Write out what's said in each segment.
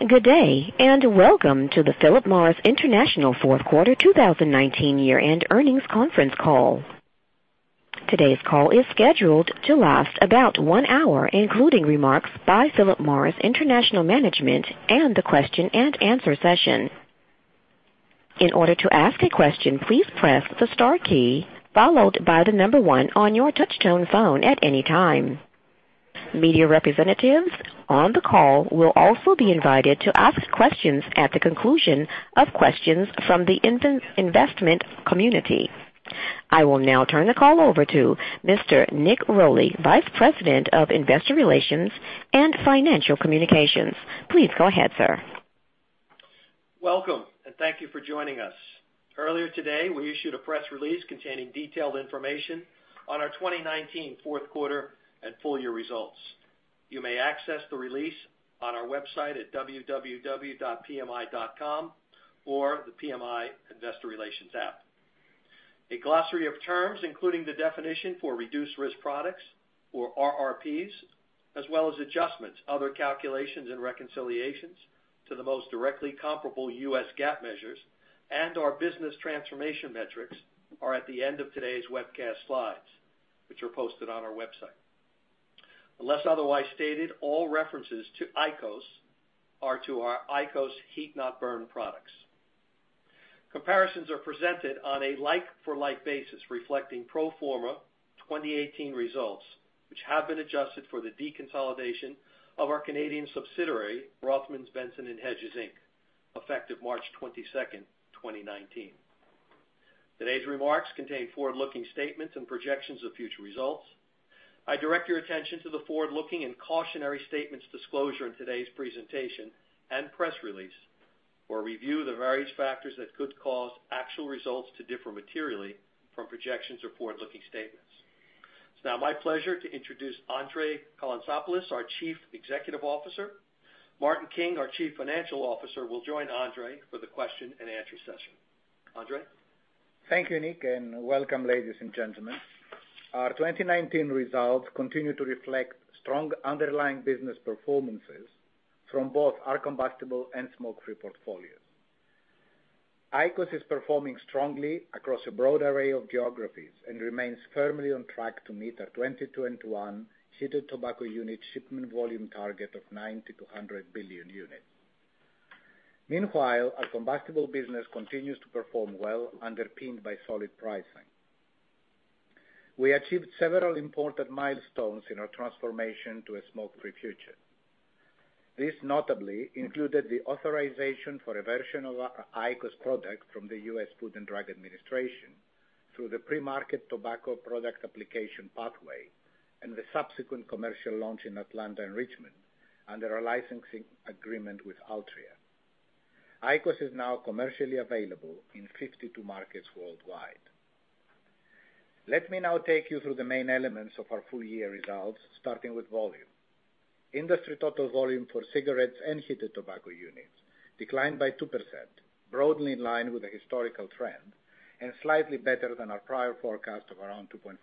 Good day. Welcome to the Philip Morris International Q4 2019 year-end earnings conference call. Today's call is scheduled to last about one hour, including remarks by Philip Morris International management, the question and answer session. In order to ask a question, please press the star key, followed by the number one on your touchtone phone at any time. Media representatives on the call will also be invited to ask questions at the conclusion of questions from the investment community. I will now turn the call over to Mr. Nick Rolli, Vice President of Investor Relations and Financial Communications. Please go ahead, sir. Welcome, and thank you for joining us. Earlier today, we issued a press release containing detailed information on our 2019 Q4 and full year results. You may access the release on our website at www.pmi.com or the PMI investor relations app. A glossary of terms, including the definition for Reduced-Risk Products or RRPs, as well as adjustments, other calculations, and reconciliations to the most directly comparable U.S. GAAP measures and our business transformation metrics are at the end of today's webcast slides, Which are posted on our website. Unless otherwise stated, all references to IQOS are to our IQOS heat-not-burn products. Comparisons are presented on a like-for-like basis reflecting pro forma 2018 results, which have been adjusted for the deconsolidation of our Canadian subsidiary, Rothmans, Benson & Hedges Inc., effective March 22nd, 2019. Today's remarks contain forward-looking statements and projections of future results. I direct your attention to the forward-looking and cautionary statements disclosure in today's presentation and press release, for a review of the various factors that could cause actual results to differ materially from projections or forward-looking statements. It's now my pleasure to introduce André Calantzopoulos, our Chief Executive Officer. Martin King, our Chief Financial Officer, will join André for the question and answer session. André? Thank you, Nick, and welcome, ladies and gentlemen. Our 2019 results continue to reflect strong underlying business performances from both our combustible and smoke-free portfolios. IQOS is performing strongly across a broad array of geographies and remains firmly on track to meet our 2021 heated tobacco unit shipment volume target of 90-100 billion units. Meanwhile, our combustible business continues to perform well, underpinned by solid pricing. We achieved several important milestones in our transformation to a smoke-free future. This notably included the authorization for a version of our IQOS product from the U.S. Food and Drug Administration through the Pre-Market Tobacco Product Application pathway, and the subsequent commercial launch in Atlanta and Richmond under a licensing agreement with Altria. IQOS is now commercially available in 52 markets worldwide. Let me now take you through the main elements of our full year results, starting with volume. Industry total volume for cigarettes and heated tobacco units declined by 2%, broadly in line with the historical trend, and slightly better than our prior forecast of around 2.5%.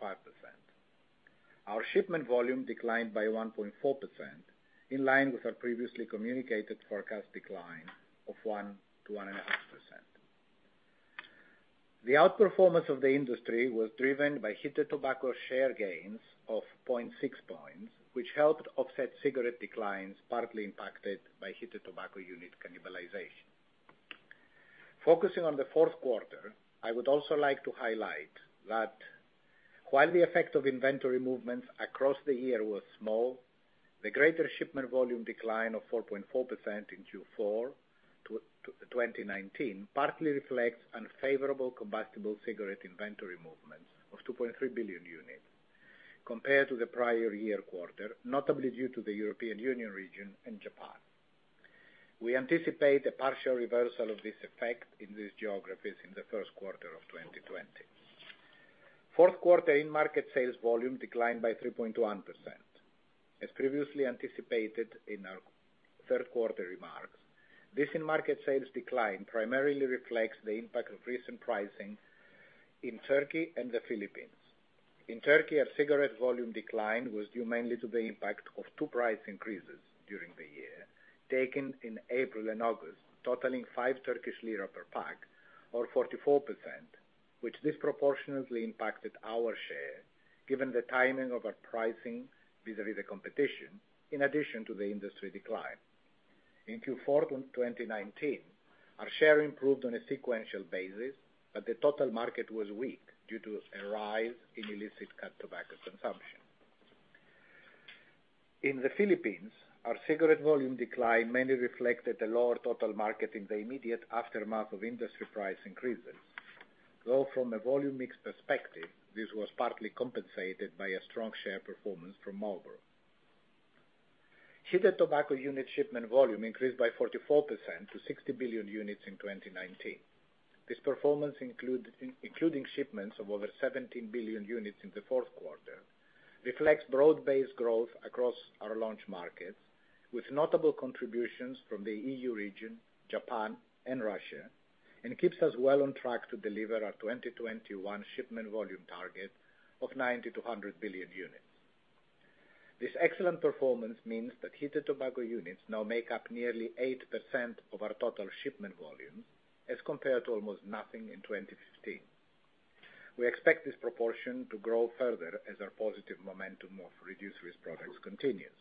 Our shipment volume declined by 1.4%, in line with our previously communicated forecast decline of 1%-1.5%. The outperformance of the industry was driven by heated tobacco share gains of 0.6 points, which helped offset cigarette declines partly impacted by heated tobacco unit cannibalization. Focusing on the Q4, I would also like to highlight that while the effect of inventory movements across the year was small, The greater shipment volume decline of 4.4% in Q4 2019 partly reflects unfavorable combustible cigarette inventory movements of 2.3 billion units compared to the prior year quarter, notably due to the European Union region and Japan. We anticipate a partial reversal of this effect in these geographies in the Q1 of 2020. Q4 in-market sales volume declined by 3.1%. As previously anticipated in our Q3 remarks, this in-market sales decline primarily reflects the impact of recent pricing in Turkey and the Philippines. In Turkey, our cigarette volume decline was due mainly to the impact of two price increases during the year, taken in April and August, totaling 5 Turkish lira per pack or 44%, which disproportionately impacted our share given the timing of our pricing vis-a-vis the competition, in addition to the industry decline. In Q4 2019, our share improved on a sequential basis, but the total market was weak due to a rise in illicit cut tobacco consumption. In the Philippines, our cigarette volume decline mainly reflected a lower total market in the immediate aftermath of industry price increases. Though from a volume mix perspective, this was partly compensated by a strong share performance from Marlboro. Heated tobacco unit shipment volume increased by 44% to 60 billion units in 2019. This performance, including shipments of over 17 billion units in the Q4, reflects broad-based growth across our launch markets with notable contributions from the EU region, Japan, and Russia. Keeps us well on track to deliver our 2021 shipment volume target of 90 billion-100 billion units. This excellent performance means that heated tobacco units now make up nearly 8% of our total shipment volume, as compared to almost nothing in 2015. We expect this proportion to grow further as our positive momentum of reduced-risk products continues.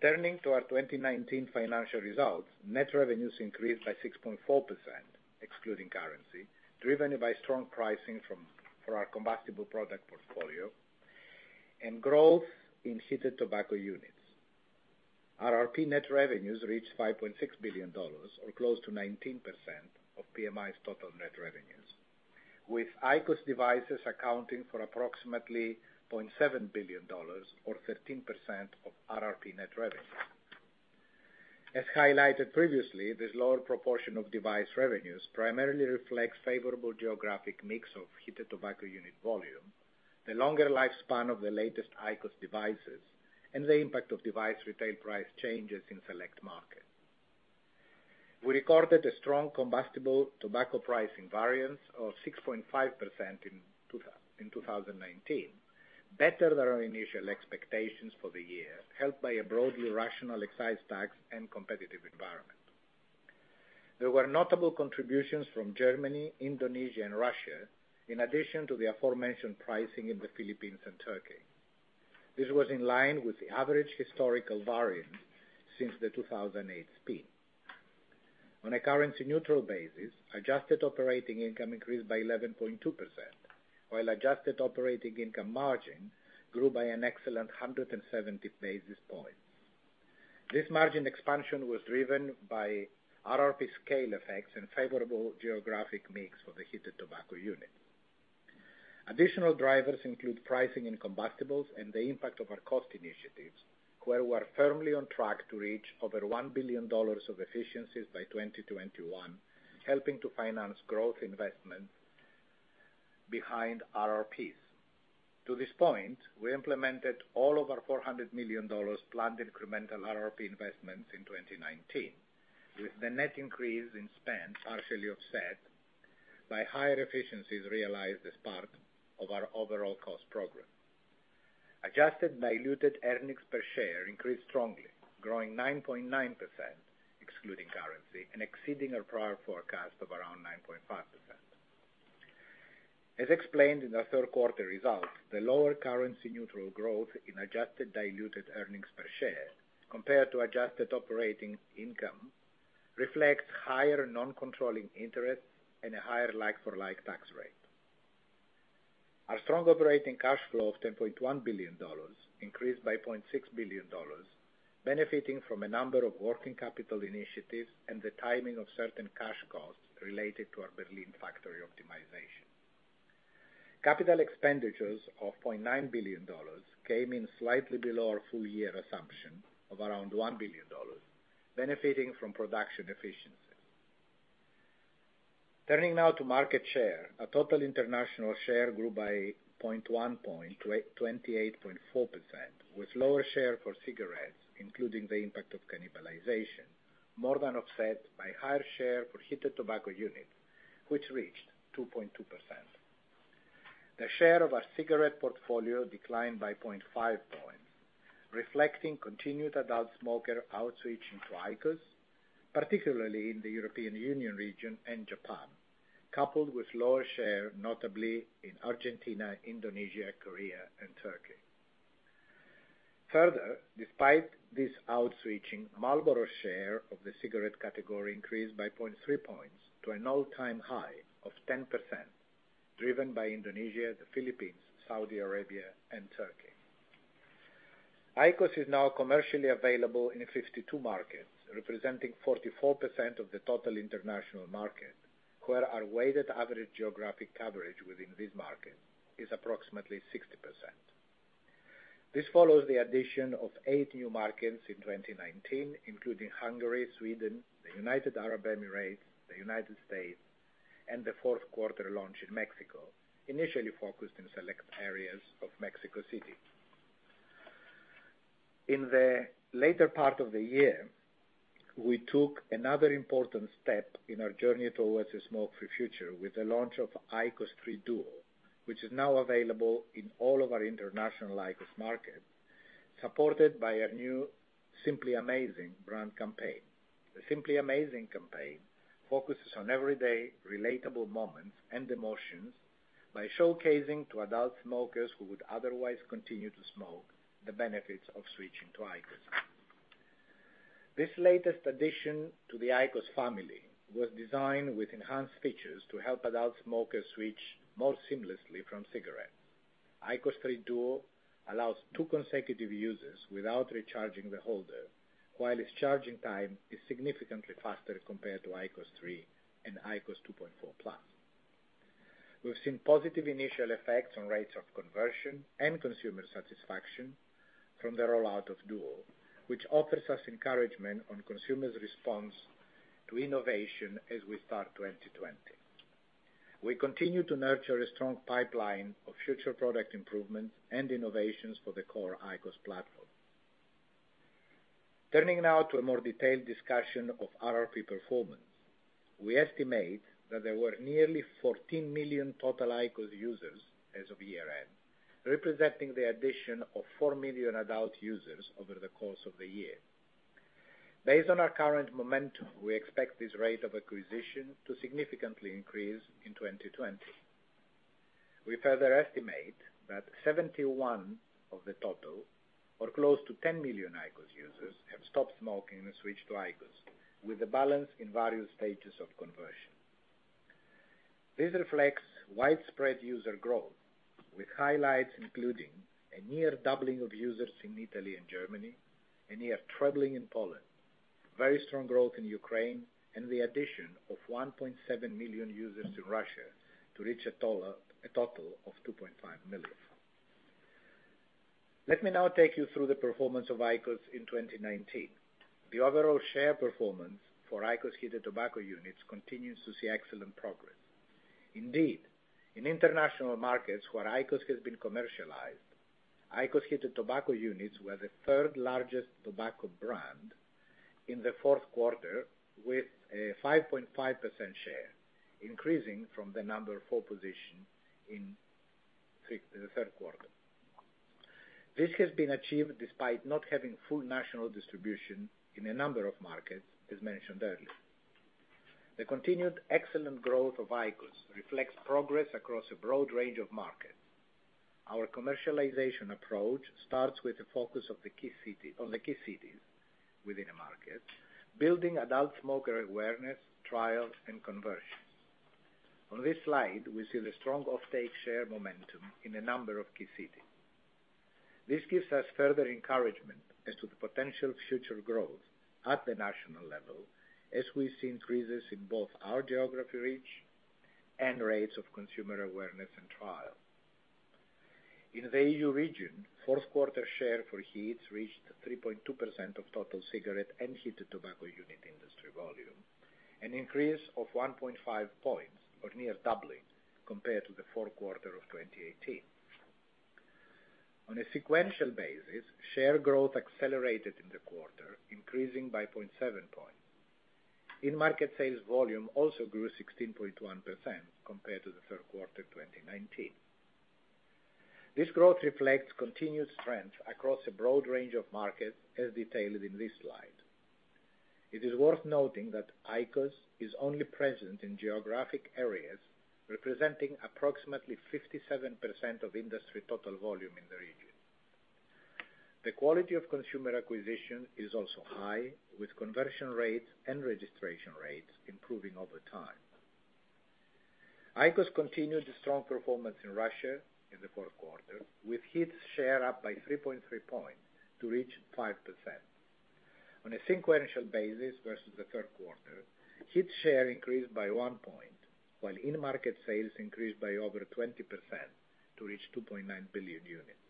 Turning to our 2019 financial results, net revenues increased by 6.4%, excluding currency, driven by strong pricing for our combustible product portfolio and growth in heated tobacco units. RRP net revenues reached $5.6 billion, or close to 19% of PMI's total net revenues, with IQOS devices accounting for approximately $0.7 billion, or 13% of RRP net revenues. As highlighted previously, this lower proportion of device revenues primarily reflects favorable geographic mix of heated tobacco unit volume, the longer lifespan of the latest IQOS devices, and the impact of device retail price changes in select markets. We recorded a strong combustible tobacco pricing variance of 6.5% in 2019, better than our initial expectations for the year, helped by a broadly rational excise tax and competitive environment. There were notable contributions from Germany, Indonesia, and Russia, in addition to the aforementioned pricing in the Philippines and Turkey. This was in line with the average historical variance since the 2008 split. On a currency-neutral basis, adjusted operating income increased by 11.2%, while adjusted operating income margin grew by an excellent 170 basis points. This margin expansion was driven by RRP scale effects and favorable geographic mix for the heated tobacco unit. Additional drivers include pricing in combustibles and the impact of our cost initiatives, where we're firmly on track to reach over $1 billion of efficiencies by 2021, helping to finance growth investments behind RRPs. To this point, we implemented all of our $400 million planned incremental RRP investments in 2019, With the net increase in spend partially offset by higher efficiencies realized as part of our overall cost program. Adjusted diluted earnings per share increased strongly, growing 9.9%, excluding currency, and exceeding our prior forecast of around 9.5%. As explained in our Q3 results, the lower currency neutral growth in adjusted diluted earnings per share compared to adjusted operating income reflects higher non-controlling interest and a higher like-for-like tax rate. Our strong operating cash flow of $10.1 billion increased by $0.6 billion, benefiting from a number of working capital initiatives and the timing of certain cash costs related to our Berlin factory optimization. Capital expenditures of $0.9 billion came in slightly below our full-year assumption of around $1 billion, benefiting from production efficiencies. Turning now to market share. Our total international share grew by point 1 point, 28.4%, with lower share for cigarettes, including the impact of cannibalization, more than offset by higher share for heated tobacco units, which reached 2.2%. The share of our cigarette portfolio declined by 0.5 points, reflecting continued adult smoker outreaching through IQOS, particularly in the European Union region and Japan, coupled with lower share, notably in Argentina, Indonesia, Korea, and Turkey. Despite this outreaching, Marlboro share of the cigarette category increased by 0.3 points to an all-time high of 10%, driven by Indonesia, the Philippines, Saudi Arabia, and Turkey. IQOS is now commercially available in 52 markets, representing 44% of the total international market, Where our weighted average geographic coverage within these markets is approximately 60%. This follows the addition of eight new markets in 2019, including Hungary, Sweden, the United Arab Emirates, the U.S., and the Q4 launch in Mexico, initially focused in select areas of Mexico City. In the later part of the year, we took another important step in our journey towards a smoke-free future with the launch of IQOS 3 DUO, which is now available in all of our international IQOS markets, supported by a new Simply Amazing brand campaign. The Simply Amazing campaign focuses on everyday relatable moments and emotions by showcasing to adult smokers who would otherwise continue to smoke the benefits of switching to IQOS. This latest addition to the IQOS family was designed with enhanced features to help adult smokers switch more seamlessly from cigarettes. IQOS 3 DUO allows two consecutive uses without recharging the holder, while its charging time is significantly faster compared to IQOS 3 and IQOS 2.4+. We've seen positive initial effects on rates of conversion and consumer satisfaction from the rollout of DUO, which offers us encouragement on consumers' response to innovation as we start 2020. We continue to nurture a strong pipeline of future product improvements and innovations for the core IQOS platform. Turning now to a more detailed discussion of RRP performance. We estimate that there were nearly 14 million total IQOS users as of year-end, representing the addition of 4 million adult users over the course of the year. Based on our current momentum, we expect this rate of acquisition to significantly increase in 2020. We further estimate that 71 of the total, or close to 10 million IQOS users, have stopped smoking and switched to IQOS, with the balance in various stages of conversion. This reflects widespread user growth, with highlights including a near doubling of users in Italy and Germany, a near trebling in Poland, very strong growth in Ukraine, and the addition of 1.7 million users in Russia to reach a total of 2.5 million. Let me now take you through the performance of IQOS in 2019. The overall share performance for IQOS heated tobacco units continues to see excellent progress. In international markets where IQOS has been commercialized, IQOS heated tobacco units were the third-largest tobacco brand in the Q4, with a 5.5% share, increasing from the number four position in the Q3. This has been achieved despite not having full national distribution in a number of markets, as mentioned earlier. The continued excellent growth of IQOS reflects progress across a broad range of markets. Our commercialization approach starts with the focus on the key cities within a market, building adult smoker awareness, trials, and conversions. On this slide, we see the strong off-take share momentum in a number of key cities. This gives us further encouragement as to the potential future growth at the national level, as we see increases in both our geography reach and rates of consumer awareness and trial. In the EU region, Q4 share for HEETS reached 3.2% of total cigarette and heated tobacco unit industry volume, an increase of 1.5 points, or near doubling, compared to the Q4 of 2018. On a sequential basis, share growth accelerated in the quarter, increasing by 0.7 points. In-market sales volume also grew 16.1% compared to the Q3 2019. This growth reflects continued strength across a broad range of markets, as detailed in this slide. It is worth noting that IQOS is only present in geographic areas representing approximately 57% of industry total volume in the region. The quality of consumer acquisition is also high, with conversion rates and registration rates improving over time. IQOS continued strong performance in Russia in the Q4, with Heat share up by 3.3 points to reach 5%. On a sequential basis versus the Q3, Heat share increased by one point, while in-market sales increased by over 20% to reach 2.9 billion units.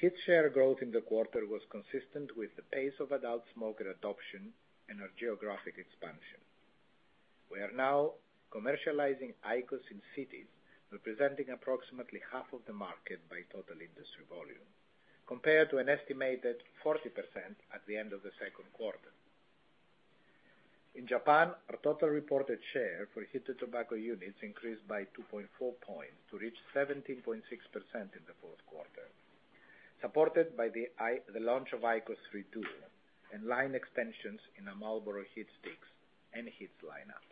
Heat share growth in the quarter was consistent with the pace of adult smoker adoption and our geographic expansion. We are now commercializing IQOS in cities representing approximately half of the market by total industry volume, compared to an estimated 40% at the end of the Q2. In Japan, our total reported share for heated tobacco units increased by 2.4 points to reach 17.6% in the Q4, supported by the launch of IQOS 3 DUO and line extensions in the Marlboro HeatSticks and HEETS lineup.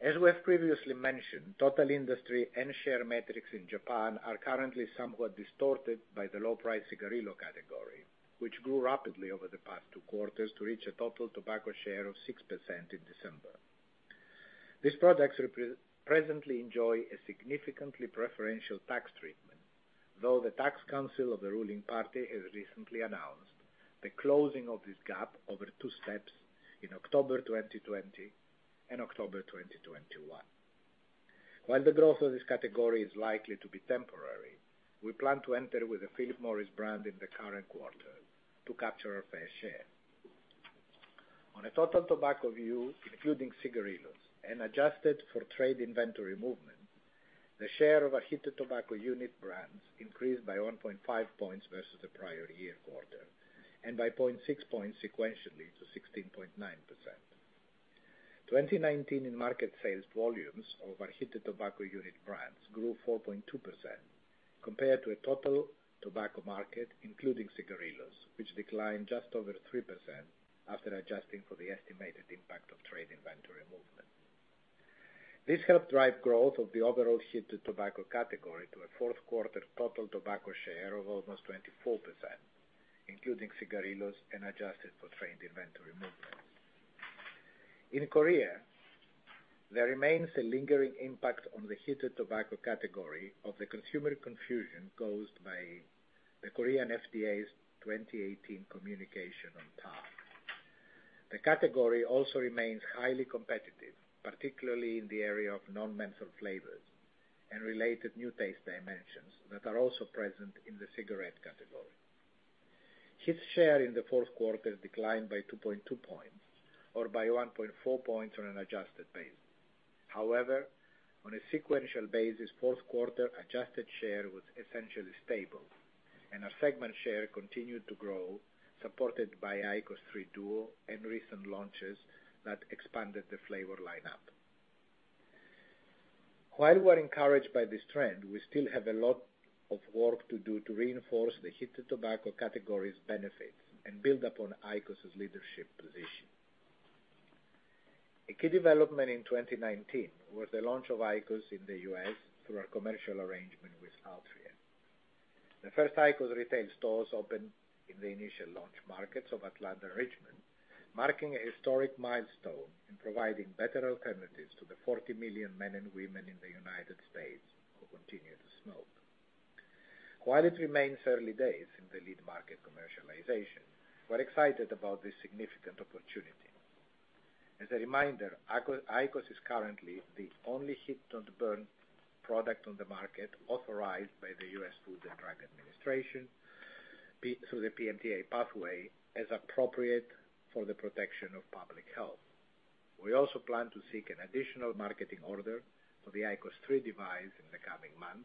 As we have previously mentioned, total industry and share metrics in Japan are currently somewhat distorted by the low-price cigarillo category, which grew rapidly over the past two quarters to reach a total tobacco share of 6% in December. These products presently enjoy a significantly preferential tax treatment, though the tax council of the ruling party has recently announced the closing of this gap over two steps in October 2020 and October 2021. While the growth of this category is likely to be temporary, we plan to enter with a Philip Morris brand in the current quarter to capture a fair share. On a total tobacco view, including cigarillos and adjusted for trade inventory movement, the share of our heated tobacco unit brands increased by 1.5 points versus the prior year quarter, and by 0.6 points sequentially to 16.9%. 2019 in-market sales volumes of our Heated Tobacco Unit brands grew 4.2%, compared to a total tobacco market, including cigarillos, which declined just over 3% after adjusting for the estimated impact of trade inventory movement. This helped drive growth of the overall heated tobacco category to a Q4 total tobacco share of almost 24%, including cigarillos and adjusted for trade inventory movements. In Korea, there remains a lingering impact on the heated tobacco category of the consumer confusion caused by the Korean FDA's 2018 communication on TAR. The category also remains highly competitive, particularly in the area of non-menthol flavors and related new taste dimensions that are also present in the cigarette category. Heat share in the Q4 declined by 2.2 points, or by 1.4 points on an adjusted base. However, on a sequential basis, Q4 adjusted share was essentially stable. Our segment share continued to grow, supported by IQOS 3 DUO and recent launches that expanded the flavor lineup. While we're encouraged by this trend, we still have a lot of work to do to reinforce the heated tobacco category's benefits and build upon IQOS' leadership position. A key development in 2019 was the launch of IQOS in the U.S. through our commercial arrangement with Altria. The first IQOS retail stores opened in the initial launch markets of Atlanta and Richmond, marking a historic milestone in providing better alternatives to the 40 million men and women in the United States who continue to smoke. While it remains early days in the lead market commercialization, we're excited about this significant opportunity. As a reminder, IQOS is currently the only heat-not-burn product on the market authorized by the U.S. Food and Drug Administration through the PMTA pathway as appropriate for the protection of public health. We also plan to seek an additional marketing order for the IQOS 3 device in the coming months,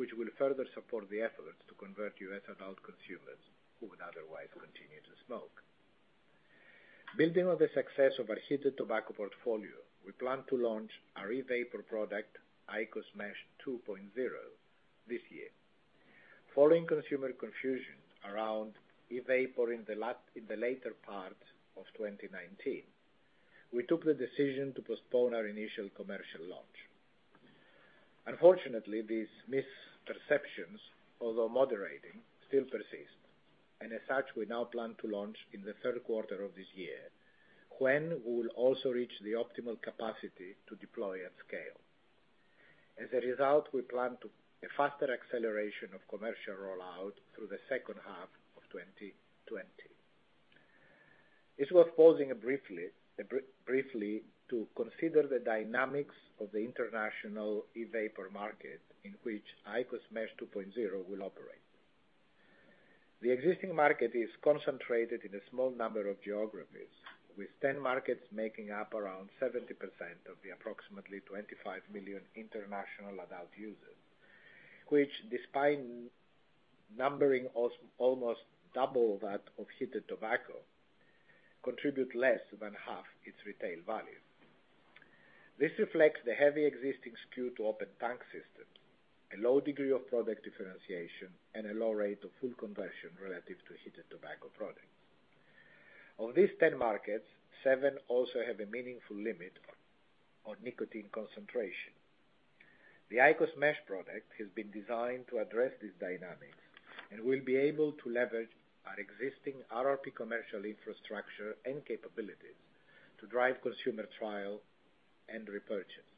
which will further support the efforts to convert U.S. adult consumers who would otherwise continue to smoke. Building on the success of our heated tobacco portfolio, we plan to launch our e-vapor product, IQOS Mesh 2.0, this year. Following consumer confusion around e-vapor in the later part of 2019, we took the decision to postpone our initial commercial launch. Unfortunately, these misperceptions, although moderating, still persist, and as such, we now plan to launch in the Q3 of this year, when we will also reach the optimal capacity to deploy at scale. As a result, we plan a faster acceleration of commercial rollout through the H2 of 2020. It's worth pausing briefly to consider the dynamics of the international e-vapor market in which IQOS Mesh 2.0 will operate. The existing market is concentrated in a small number of geographies, with 10 markets making up around 70% of the approximately 25 million international adult users, which despite numbering almost double that of heated tobacco, contribute less than half its retail value. This reflects the heavy existing skew to open tank systems, a low degree of product differentiation, and a low rate of full conversion relative to heated tobacco products. Of these 10 markets, seven also have a meaningful limit on nicotine concentration. The IQOS Mesh product has been designed to address these dynamics and will be able to leverage our existing RRP commercial infrastructure and capabilities to drive consumer trial and repurchase.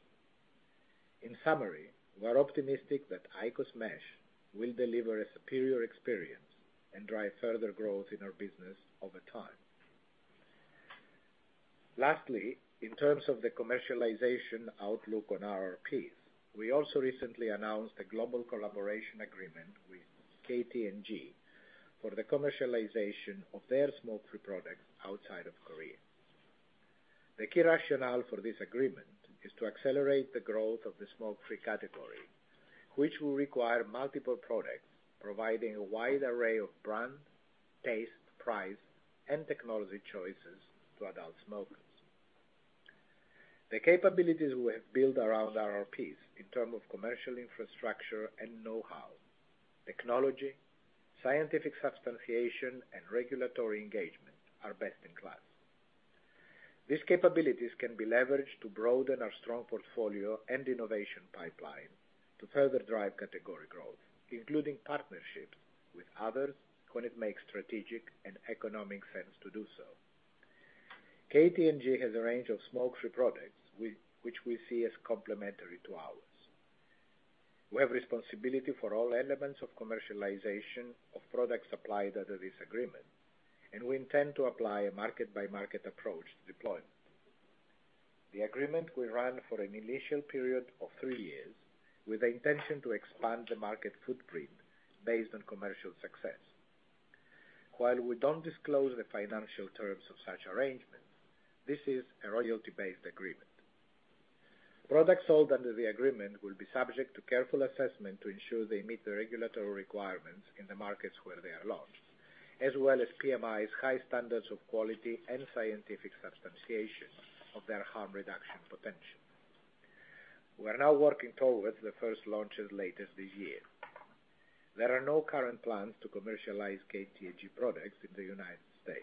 In summary, we're optimistic that IQOS MESH will deliver a superior experience and drive further growth in our business over time. Lastly, in terms of the commercialization outlook on RRPs, we also recently announced a global collaboration agreement with KT&G for the commercialization of their smoke-free products outside of Korea. The key rationale for this agreement is to accelerate the growth of the smoke-free category, which will require multiple products, providing a wide array of brand, taste, price, and technology choices to adult smokers. The capabilities we have built around RRPs in terms of commercial infrastructure and know-how, technology, scientific substantiation, and regulatory engagement are best in class. These capabilities can be leveraged to broaden our strong portfolio and innovation pipeline to further drive category growth, including partnerships with others when it makes strategic and economic sense to do so. KT&G has a range of smoke-free products which we see as complementary to ours. We have responsibility for all elements of commercialization of products supplied under this agreement, and we intend to apply a market-by-market approach to deployment. The agreement will run for an initial period of three years, with the intention to expand the market footprint based on commercial success. While we don't disclose the financial terms of such arrangements, this is a royalty-based agreement. Products sold under the agreement will be subject to careful assessment to ensure they meet the regulatory requirements in the markets where they are launched, As well as PMI's high standards of quality and scientific substantiation of their harm reduction potential. We are now working towards the first launches later this year. There are no current plans to commercialize KT&G products in the U.S.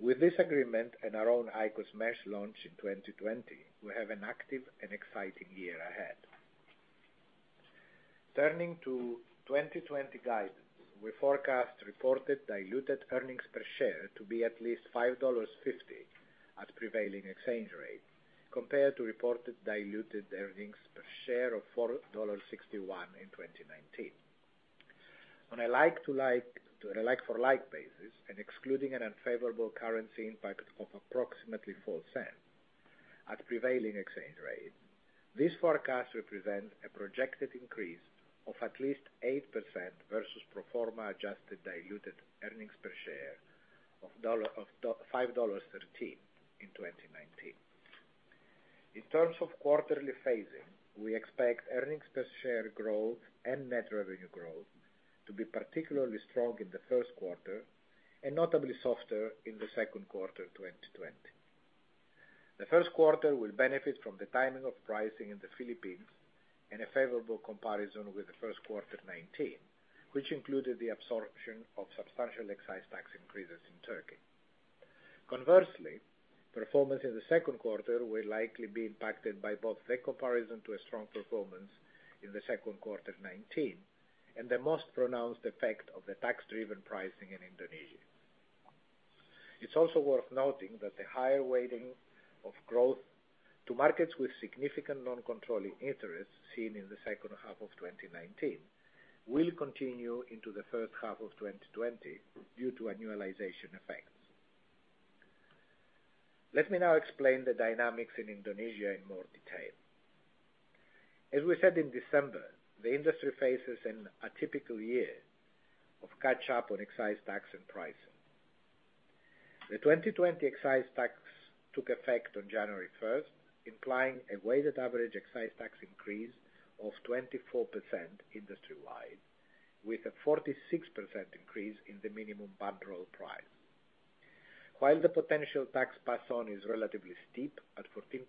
With this agreement and our own IQOS Mesh launch in 2020, we have an active and exciting year ahead. Turning to 2020 guidance, we forecast reported diluted earnings per share to be at least $5.50 at prevailing exchange rate, compared to reported diluted earnings per share of $4.61 in 2019. On a like-for-like basis and excluding an unfavorable currency impact of approximately $0.04 at prevailing exchange rate. This forecast represents a projected increase of at least 8% versus pro forma adjusted diluted earnings per share of $5.13 in 2019. In terms of quarterly phasing, we expect earnings per share growth and net revenue growth to be particularly strong in the Q1, and notably softer in the Q2 2020. The Q1 will benefit from the timing of pricing in the Philippines and a favorable comparison with the Q1 2019, which included the absorption of substantial excise tax increases in Turkey. Conversely, performance in the Q2 will likely be impacted by both the comparison to a strong performance in the Q2 2019, and the most pronounced effect of the tax-driven pricing in Indonesia. It's also worth noting that the higher weighting of growth to markets with significant non-controlling interests seen in the H2 of 2019 will continue into the H1 of 2020 due to annualization effects. Let me now explain the dynamics in Indonesia in more detail. As we said in December, the industry faces an atypical year of catch up on excise tax and pricing. The 2020 excise tax took effect on January 1st, implying a weighted average excise tax increase of 24% industry-wide, with a 46% increase in the minimum bundle price. While the potential tax pass-on is relatively steep at 14%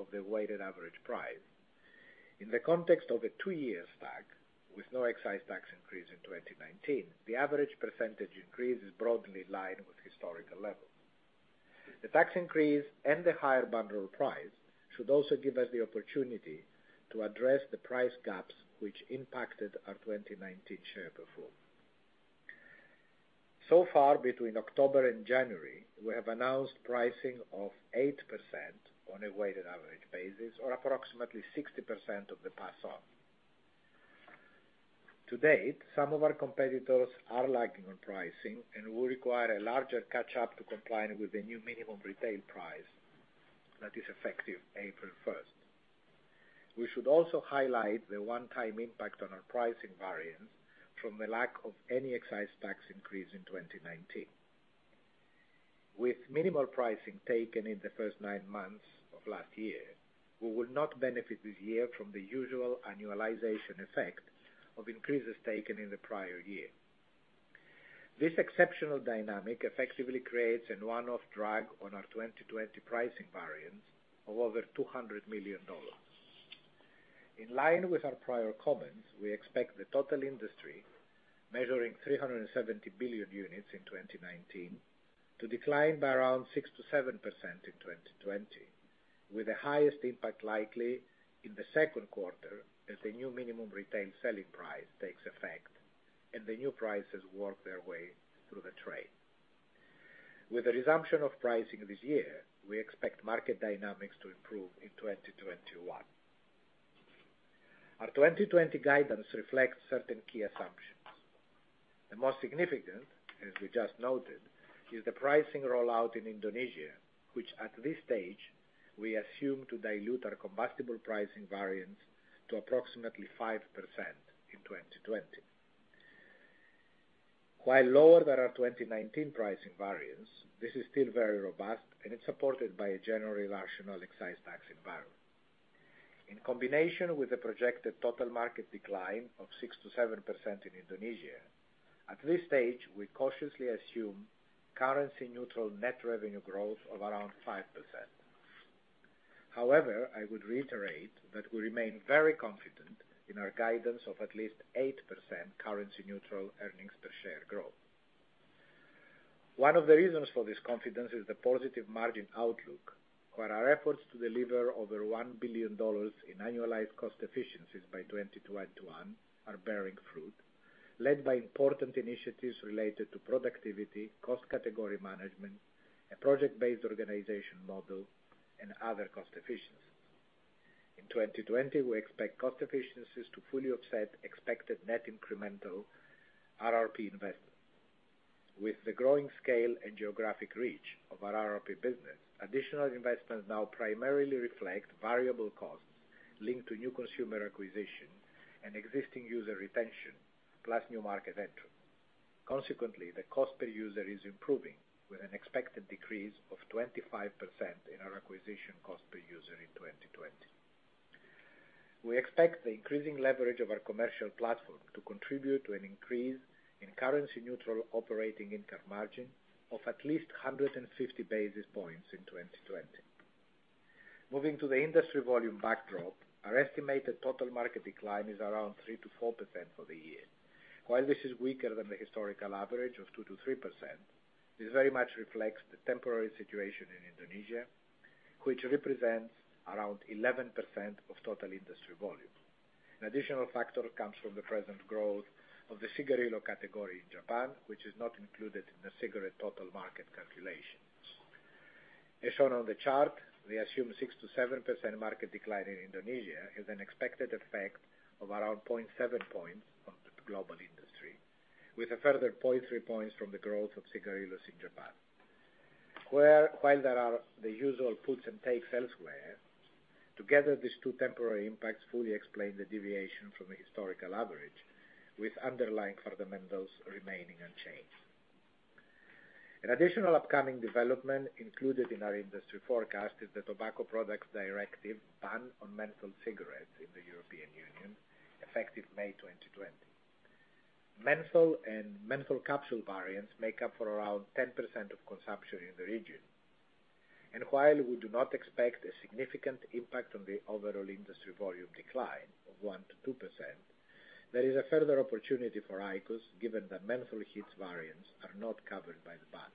of the weighted average price, in the context of a two-year stack with no excise tax increase in 2019, the average percentage increase is broadly in line with historical levels. The tax increase and the higher bundle price should also give us the opportunity to address the price gaps which impacted our 2019 share perform. So far, between October and January, we have announced pricing of 8% on a weighted average basis, or approximately 60% of the pass-on. To date, some of our competitors are lagging on pricing and will require a larger catch-up to comply with the new minimum retail price that is effective April 1st. We should also highlight the one-time impact on our pricing variance from the lack of any excise tax increase in 2019. With minimal pricing taken in the first nine months of last year, we will not benefit this year from the usual annualization effect of increases taken in the prior year. This exceptional dynamic effectively creates a one-off drag on our 2020 pricing variance of over $200 million. In line with our prior comments, we expect the total industry measuring 370 billion units in 2019 to decline by around 6%-7% in 2020, with the highest impact likely in the Q2 as the new minimum retail selling price takes effect and the new prices work their way through the trade. With the resumption of pricing this year, we expect market dynamics to improve in 2021. Our 2020 guidance reflects certain key assumptions. The most significant, as we just noted, is the pricing rollout in Indonesia, which at this stage, we assume to dilute our combustible pricing variance to approximately 5% in 2020. While lower than our 2019 pricing variance, this is still very robust, and it's supported by a generally rational excise tax environment. In combination with the projected total market decline of 6%-7% in Indonesia, at this stage, we cautiously assume currency neutral net revenue growth of around 5%. However, I would reiterate that we remain very confident in our guidance of at least 8% currency neutral earnings per share growth. One of the reasons for this confidence is the positive margin outlook, where our efforts to deliver over $1 billion in annualized cost efficiencies by 2021 are bearing fruit, led by important initiatives related to productivity, cost category management, a project-based organization model, and other cost efficiencies. In 2020, we expect cost efficiencies to fully offset expected net incremental RRP investments. With the growing scale and geographic reach of our RRP business, additional investments now primarily reflect variable costs linked to new consumer acquisition and existing user retention, plus new market entry. The cost per user is improving with an expected decrease of 25% in our acquisition cost per user in 2020. We expect the increasing leverage of our commercial platform to contribute to an increase in currency neutral operating income margin of at least 150 basis points in 2020. Moving to the industry volume backdrop, our estimated total market decline is around 3%-4% for the year. While this is weaker than the historical average of 2%-3%, this very much reflects the temporary situation in Indonesia, which represents around 11% of total industry volume. An additional factor comes from the present growth of the cigarillo category in Japan, which is not included in the cigarette total market calculations. As shown on the chart, the assumed 6%-7% market decline in Indonesia is an expected effect of around 0.7 points on the global industry, with a further 0.3 points from the growth of cigarillos in Japan. While there are the usual puts and takes elsewhere, together, these two temporary impacts fully explain the deviation from the historical average, with underlying fundamentals remaining unchanged. An additional upcoming development included in our industry forecast is the Tobacco Products Directive ban on menthol cigarettes in the European Union, effective May 2020. Menthol and menthol capsule variants make up for around 10% of consumption in the region. While we do not expect a significant impact on the overall industry volume decline of 1% to 2%, there is a further opportunity for IQOS, given that menthol HEETS variants are not covered by the ban.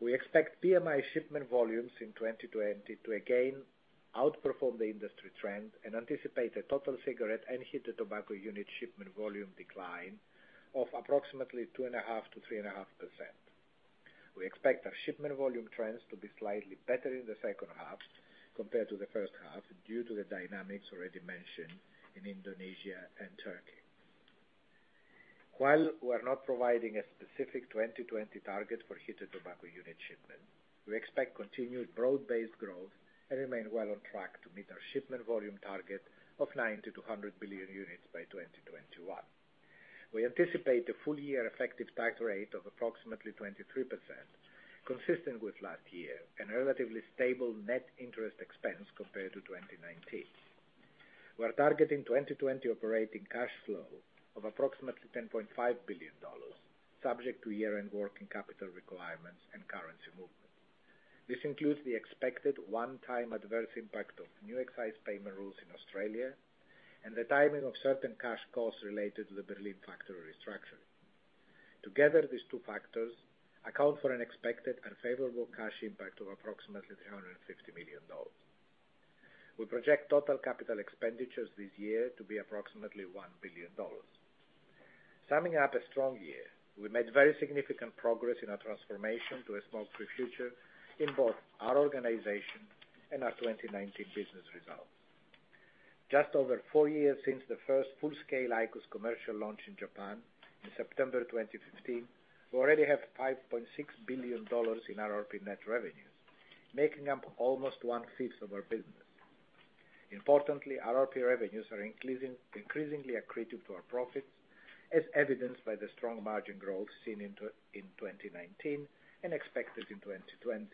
We expect PMI shipment volumes in 2020 to again outperform the industry trend and anticipate a total cigarette and heated tobacco unit shipment volume decline of approximately 2.5%-3.5%. We expect our shipment volume trends to be slightly better in the H2 compared to the H1 due to the dynamics already mentioned in Indonesia and Turkey. While we are not providing a specific 2020 target for heated tobacco unit shipment, we expect continued broad-based growth and remain well on track to meet our shipment volume target of 90 to 100 billion units by 2021. We anticipate the full year effective tax rate of approximately 23%, consistent with last year, and relatively stable net interest expense compared to 2019. We're targeting 2020 operating cash flow of approximately $10.5 billion, subject to year-end working capital requirements and currency movement. This includes the expected one-time adverse impact of new excise payment rules in Australia and the timing of certain cash costs related to the Berlin factory restructuring. Together, these two factors account for an expected unfavorable cash impact of approximately $350 million. We project total capital expenditures this year to be approximately $1 billion. Summing up a strong year, we made very significant progress in our transformation to a smoke-free future in both our organization and our 2019 business results. Just over four years since the first full-scale IQOS commercial launch in Japan in September 2015, we already have $5.6 billion in RRP net revenues, making up almost one-fifth of our business. RRP revenues are increasingly accretive to our profits, as evidenced by the strong margin growth seen in 2019 and expected in 2020.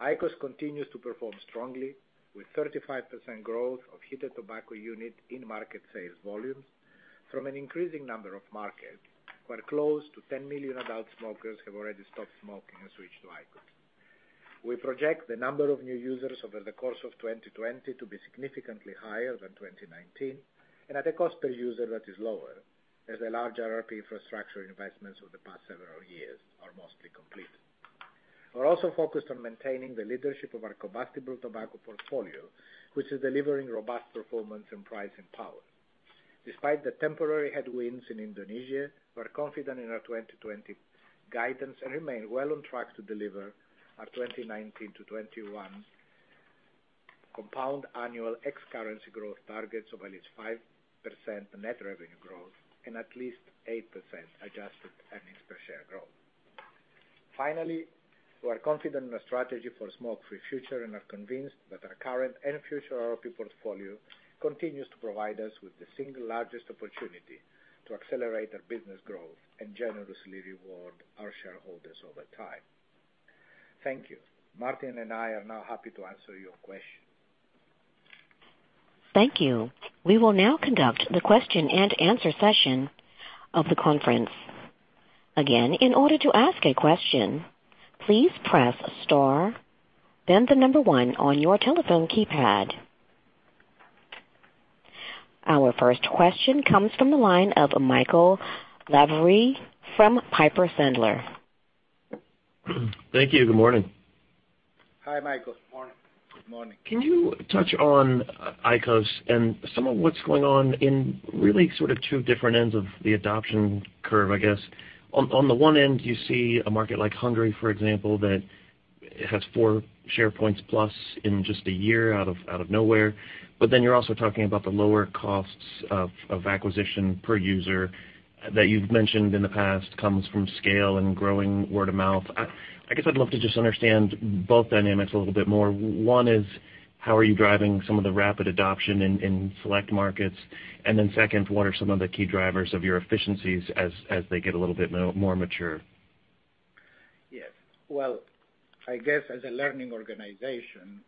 IQOS continues to perform strongly, With 35% growth of heated tobacco unit in market sales volumes from an increasing number of markets, where close to 10 million adult smokers have already stopped smoking and switched to IQOS. We project the number of new users over the course of 2020 to be significantly higher than 2019 and at a cost per user that is lower, as the large RRP infrastructure investments over the past several years are mostly complete. We're also focused on maintaining the leadership of our combustible tobacco portfolio, which is delivering robust performance and pricing power. Despite the temporary headwinds in Indonesia, we're confident in our 2020 guidance and remain well on track to deliver our 2019 to 2021 compound annual X currency growth targets of at least 5% net revenue growth and at least 8% adjusted earnings per share growth. Finally, we are confident in our strategy for a smoke-free future and are convinced that our current and future RRP portfolio continues to provide us with the single largest opportunity to accelerate our business growth and generously reward our shareholders over time. Thank you. Martin and I are now happy to answer your questions. Thank you. We will now conduct the question and answer session of the conference. Again, in order to ask a question, please press star then the number one on your telephone keypad. Our first question comes from the line of Michael Lavery from Piper Sandler. Thank you. Good morning. Hi, Michael. Good morning. Good morning. Can you touch on IQOS and some of what's going on in really sort of two different ends of the adoption curve, I guess? On the one end, you see a market like Hungary, for example, that has four share points plus in just a year out of nowhere. You're also talking about the lower costs of acquisition per user that you've mentioned in the past comes from scale and growing word of mouth. I guess I'd love to just understand both dynamics a little bit more. One is, how are you driving some of the rapid adoption in select markets? Second, what are some of the key drivers of your efficiencies as they get a little bit more mature? Yes. I guess as a learning organization,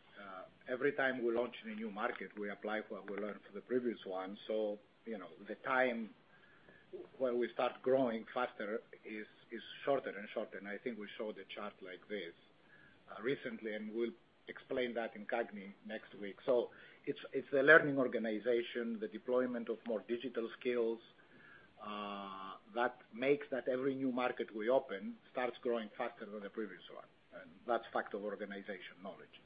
every time we launch in a new market, we apply what we learned from the previous one. The time when we start growing faster is shorter and shorter. I think we showed a chart like this recently, and we'll explain that in CAGNY next week. It's a learning organization, the deployment of more digital skills, that makes that every new market we open starts growing faster than the previous one, and that's fact of organization knowledge.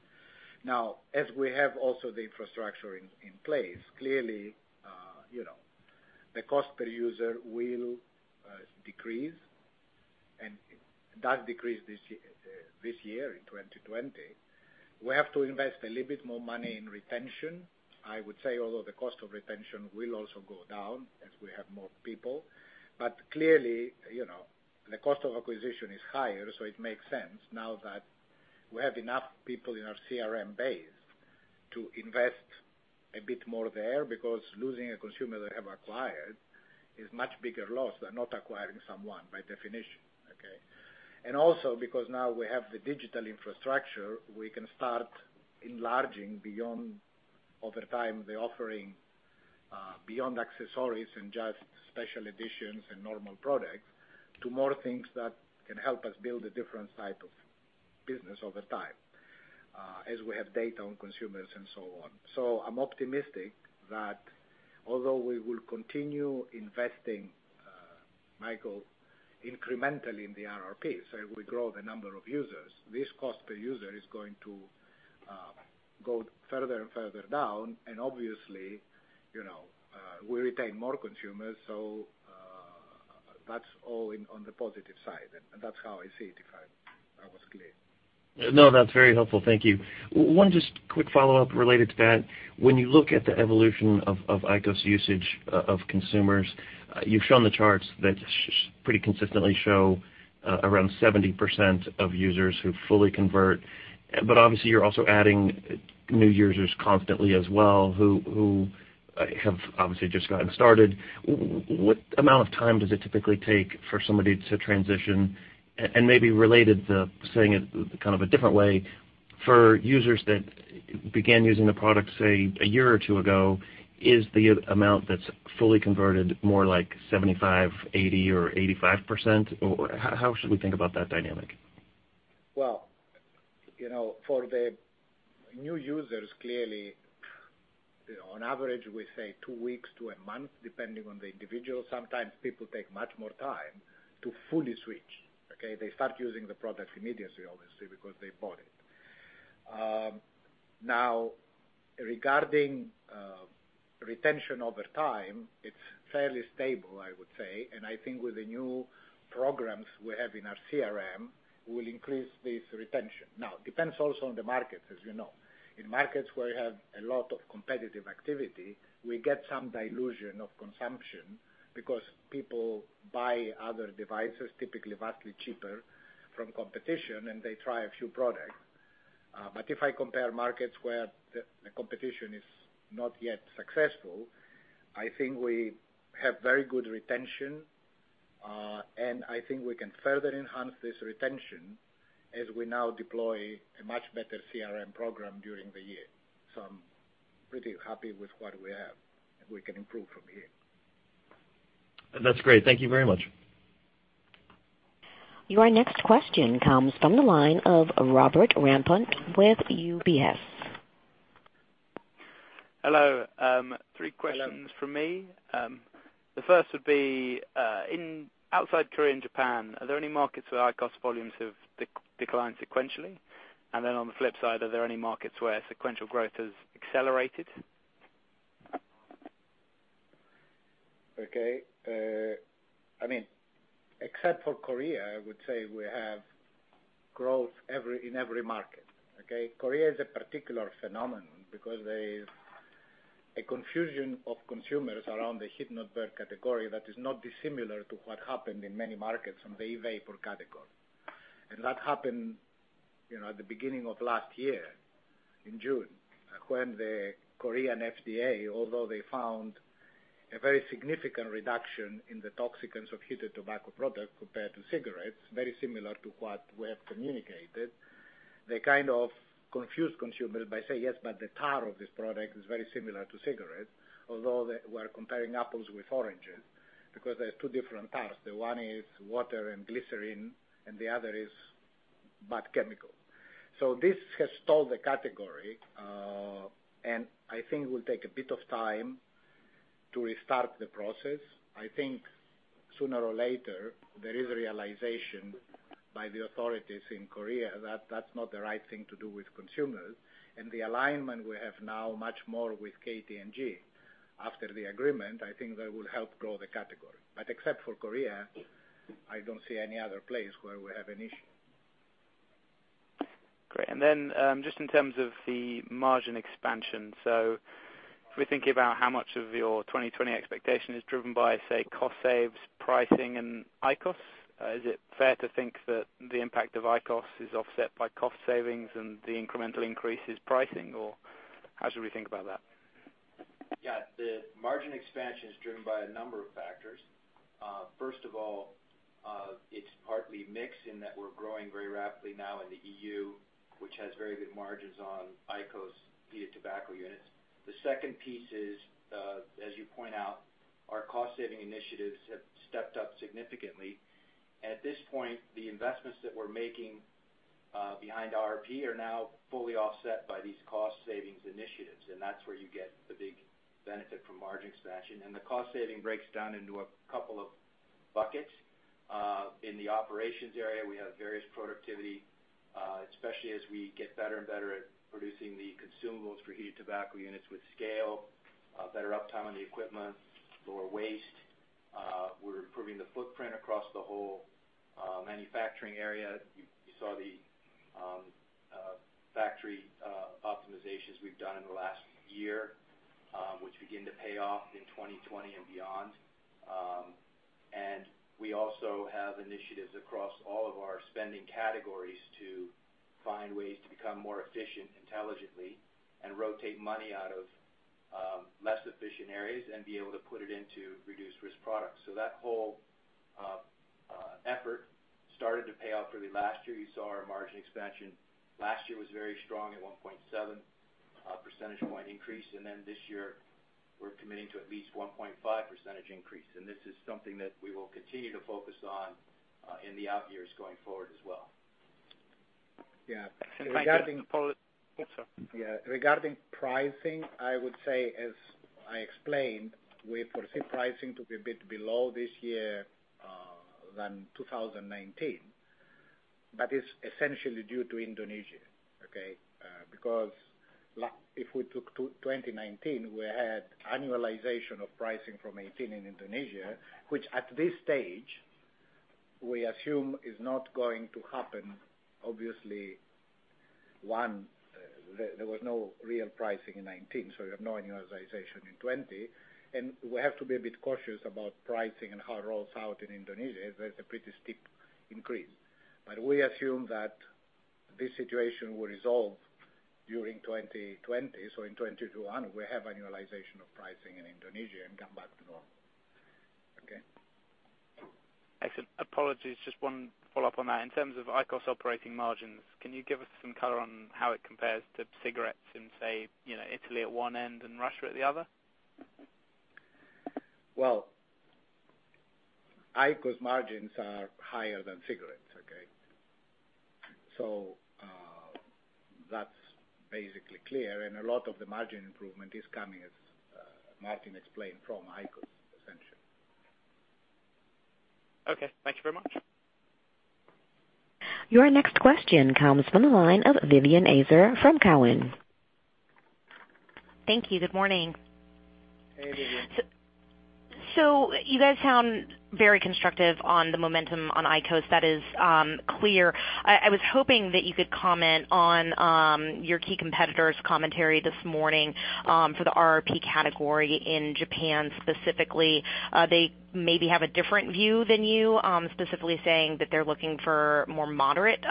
as we have also the infrastructure in place, clearly, the cost per user will decrease, and that decreased this year in 2020, we have to invest a little bit more money in retention. I would say, although the cost of retention will also go down as we have more people. Clearly, the cost of acquisition is higher, so it makes sense now that we have enough people in our CRM base to invest a bit more there, because losing a consumer they have acquired is much bigger loss than not acquiring someone by definition, okay? Also because now we have the digital infrastructure, We can start enlarging beyond, over time, the offering, beyond accessories and just special editions and normal products to more things that can help us build a different type of business over time, as we have data on consumers and so on. I'm optimistic that although we will continue investing, Michael, incrementally in the RRP, so if we grow the number of users, this cost per user is going to go further and further down and obviously, we retain more consumers. That's all on the positive side, and that's how I see it, if I was clear. No, that's very helpful. Thank you. One just quick follow-up related to that. When you look at the evolution of IQOS usage of consumers, you've shown the charts that pretty consistently show around 70% of users who've fully convert. Obviously, you're also adding new users constantly as well, who have obviously just gotten started. What amount of time does it typically take for somebody to transition? Maybe related to saying it kind of a different way, for users that began using the product, say, a year or two ago, is the amount that's fully converted more like 75%, 80% or 85%? How should we think about that dynamic? For the new users, clearly, on average, we say two weeks to a month, depending on the individual. Sometimes people take much more time to fully switch, okay. They start using the product immediately, obviously, because they bought it. Regarding retention over time, it's fairly stable, I would say, and I think with the new programs we have in our CRM, we'll increase this retention. It depends also on the markets, as you know. If I compare markets where the competition is not yet successful, I think we have very good retention, and I think we can further enhance this retention as we now deploy a much better CRM program during the year. I'm pretty happy with what we have, and we can improve from here. That's great. Thank you very much. Your next question comes from the line of Robert Rampton with UBS. Hello. Three questions from me. The first would be, outside Korea and Japan, are there any markets where IQOS volumes have declined sequentially? On the flip side, are there any markets where sequential growth has accelerated? Except for Korea, I would say we have growth in every market, okay? Korea is a particular phenomenon because there is a confusion of consumers around the heated tobacco category that is not dissimilar to what happened in many markets in the e-vapor category. That happened at the beginning of last year, in June, when the Korean FDA, although they found a very significant reduction in the toxicants of heated tobacco product compared to cigarettes, very similar to what we have communicated. They kind of confused consumers by saying, "Yes, but the TAR of this product is very similar to cigarettes," although they were comparing apples with oranges because there are two different TARs. The one is water and glycerin, and the other is bad chemical. This has stalled the category, and I think will take a bit of time to restart the process. I think sooner or later, there is a realization by the authorities in Korea that that's not the right thing to do with consumers. The alignment we have now much more with KT&G after the agreement, I think that will help grow the category. Except for Korea, I don't see any other place where we have an issue. Great. Then, just in terms of the margin expansion, if we think about how much of your 2020 expectation is driven by, say, cost saves, pricing and IQOS, is it fair to think that the impact of IQOS is offset by cost savings and the incremental increase is pricing, or how should we think about that? Yeah. The margin expansion is driven by a number of factors. First of all, it's partly mix in that we're growing very rapidly now in the EU, which has very good margins on IQOS heated tobacco units. The second piece is, as you point out, our cost-saving initiatives have stepped up significantly. At this point, the investments that we're making behind RRP are now fully offset by these cost-saving initiatives, and that's where you get the big benefit from margin expansion. The cost-saving breaks down into a couple of buckets. In the operations area, We have various productivity, especially as we get better and better at producing the consumables for heated tobacco units with scale, better uptime on the equipment, lower waste. We're improving the footprint across the whole manufacturing area. You saw the factory optimizations we've done in the last year, which begin to pay off in 2020 and beyond. We also have initiatives across all of our spending categories to find ways to become more efficient intelligently, and rotate money out of less efficient areas, and be able to put it into Reduced-Risk Products. That whole effort started to pay off really last year. You saw our margin expansion last year was very strong at 1.7 percentage point increase, and then this year we're committing to at least 1.5 percentage increase. This is something that we will continue to focus on, in the out years going forward as well. Yeah. Thank you. Sorry. Yeah. Regarding pricing, I would say, as I explained, we foresee pricing to be a bit below this year, than 2019. That is essentially due to Indonesia, okay? If we took 2019, we had annualization of pricing from 2018 in Indonesia, which at this stage we assume is not going to happen. Obviously, one, there was no real pricing in 2019, you have no annualization in 2020. We have to be a bit cautious about pricing and how it rolls out in Indonesia. There's a pretty steep increase. We assume that this situation will resolve during 2020. In 2021, we have annualization of pricing in Indonesia and come back to normal. Okay? Excellent. Apologies, just one follow-up on that. In terms of IQOS operating margins, can you give us some color on how it compares to cigarettes in, say, Italy at one end and Russia at the other? IQOS margins are higher than cigarettes. Okay? That's basically clear. A lot of the margin improvement is coming, as Martin explained, from IQOS, essentially. Okay. Thank you very much. Your next question comes from the line of Vivien Azer from Cowen. Thank you. Good morning. Hey, Vivien. You guys sound very constructive on the momentum on IQOS. That is clear. I was hoping that you could comment on your key competitor's commentary this morning, for the RRP category in Japan specifically. They maybe have a different view than you, specifically saying that they're looking for more moderate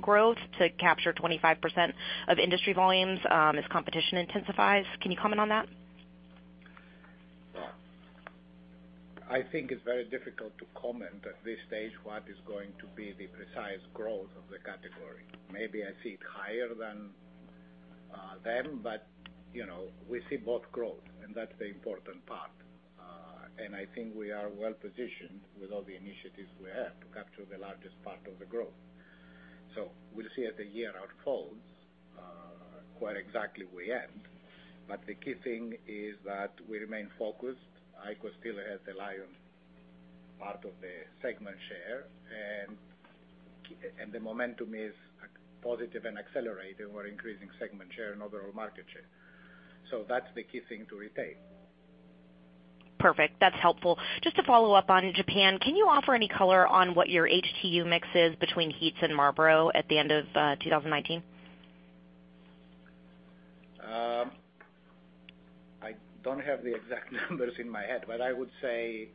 growth to capture 25% of industry volumes, as competition intensifies. Can you comment on that? I think it's very difficult to comment at this stage what is going to be the precise growth of the category. Maybe I see it higher than them, but we see both growth, and that's the important part. I think we are well-positioned with all the initiatives we have to capture the largest part of the growth. We'll see as the year unfolds, where exactly we end. The key thing is that we remain focused. IQOS still has the lion part of the segment share, and the momentum is positive and accelerating. We're increasing segment share and overall market share. That's the key thing to retain. Perfect. That's helpful. Just to follow up on Japan, can you offer any color on what your HTU mix is between HEETS and Marlboro at the end of 2019? I don't have the exact numbers in my head. I would say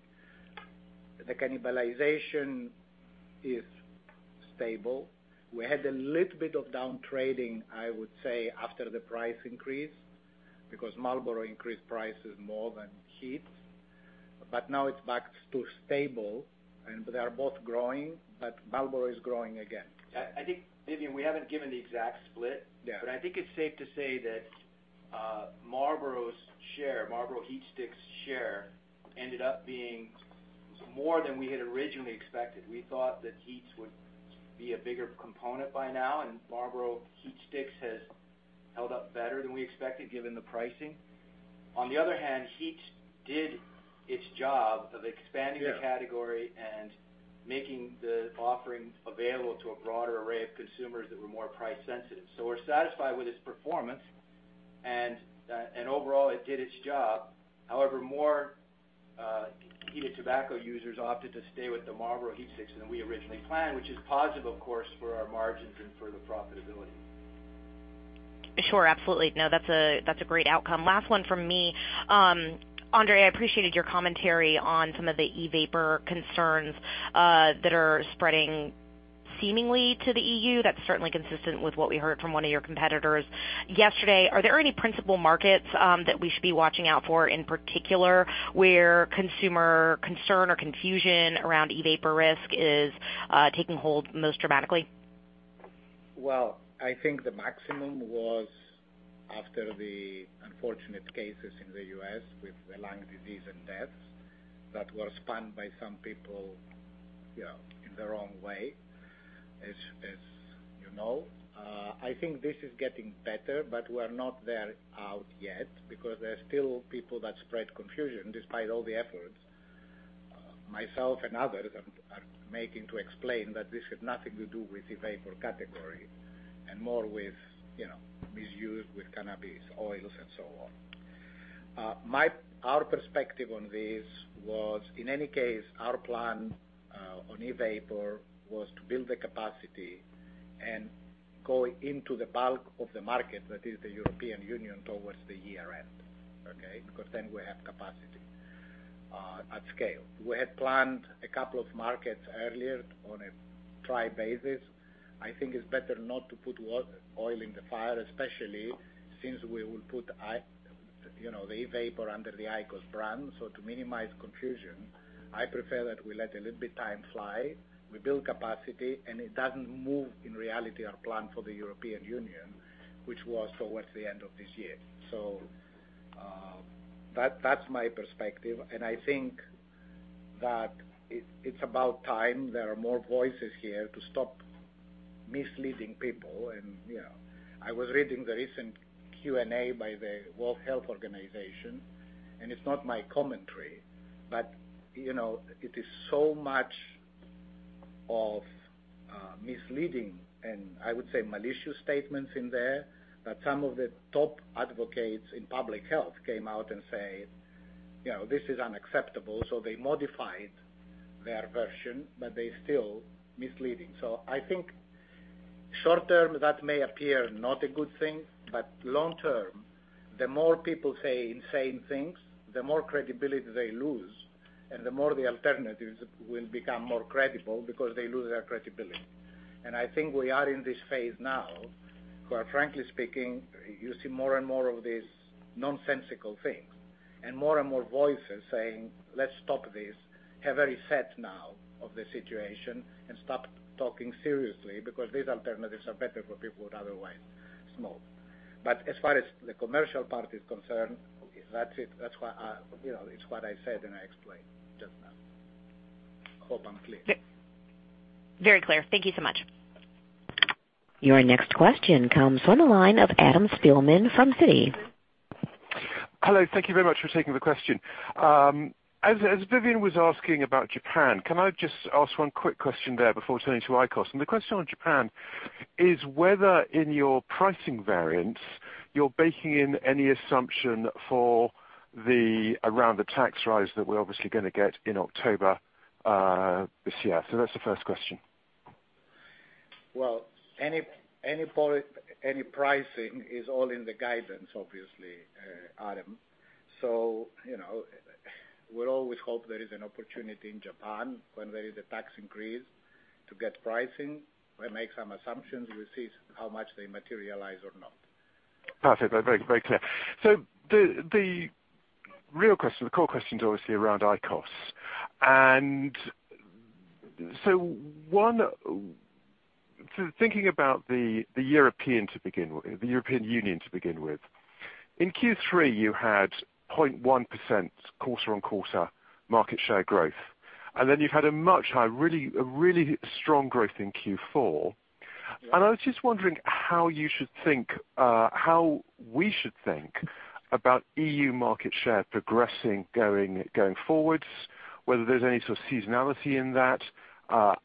the cannibalization is stable. We had a little bit of down trading, I would say, after the price increase, because Marlboro increased prices more than HEETS. Now it's back to stable, and they are both growing, but Marlboro is growing again. I think, Vivien, we haven't given the exact split. Yeah. I think it's safe to say that Marlboro HeatSticks' share ended up being more than we had originally expected. We thought that HEETS would be a bigger component by now, and Marlboro HeatSticks has held up better than we expected, given the pricing. On the other hand, HEETS did its job of expanding. Yeah. The category and making the offering available to a broader array of consumers that were more price sensitive. We're satisfied with its performance, and overall it did its job. However, more heated tobacco users opted to stay with the Marlboro HeatSticks than we originally planned, which is positive, of course, for our margins and for the profitability. Sure, absolutely. No, that's a great outcome. Last one from me. André, I appreciated your commentary on some of the e-vapor concerns that are spreading seemingly to the EU. That's certainly consistent with what we heard from one of your competitors yesterday. Are there any principal markets that we should be watching out for in particular where consumer concern or confusion around e-vapor risk is taking hold most dramatically? Well, I think the maximum was after the unfortunate cases in the U.S. with the lung disease and deaths that were spun by some people in the wrong way, as you know. I think this is getting better, but we're not there out yet because there are still people that spread confusion despite all the efforts myself and others are making to explain that this had nothing to do with e-vapor category. More with misuse with cannabis oils and so on. Our perspective on this was, in any case, our plan on e-vapor was to build the capacity and go into the bulk of the market, that is the European Union, towards the year-end. Okay? Then we have capacity at scale. We had planned a couple of markets earlier on a trial basis. I think it's better not to put oil in the fire, especially since we will put the e-vapor under the IQOS brand. To minimize confusion, I prefer that we let a little bit time fly, we build capacity, and it doesn't move, in reality, our plan for the European Union, which was towards the end of this year. That's my perspective, and I think that it's about time there are more voices here to stop misleading people and I was reading the recent Q&A by the World Health Organization, and it's not my commentary, but it is so much of misleading, and I would say malicious statements in there, that some of the top advocates in public health came out and said, "This is unacceptable." They modified their version, but they're still misleading. I think short-term, that may appear not a good thing, but long-term, the more people say insane things, the more credibility they lose, and the more the alternatives will become more credible because they lose their credibility. I think we are in this phase now, where frankly speaking, you see more and more of these nonsensical things. More and more voices saying, "Let's stop this." have reset now of the situation, and stop talking seriously, because these alternatives are better for people who would otherwise smoke. As far as the commercial part is concerned, okay, that's it. It's what I said, and I explained just now. Hope I'm clear. Very clear. Thank you so much. Your next question comes from the line of Adam Spielman from Citi. Hello. Thank you very much for taking the question. As Vivien was asking about Japan, can I just ask one quick question there before turning to IQOS? The question on Japan is whether in your pricing variance, you're baking in any assumption for the around the tax rise that we're obviously going to get in October this year. That's the first question. Any pricing is all in the guidance, obviously, Adam. We always hope there is an opportunity in Japan when there is a tax increase to get pricing. We make some assumptions, we see how much they materialize or not. Perfect. Very clear. The real question, the core question is obviously around IQOS. One, thinking about the European Union to begin with. In Q3, you had 0.1% quarter-on-quarter market share growth. You've had a really strong growth in Q4. Yeah. I was just wondering how we should think about EU market share progressing going forwards, whether there's any sort of seasonality in that,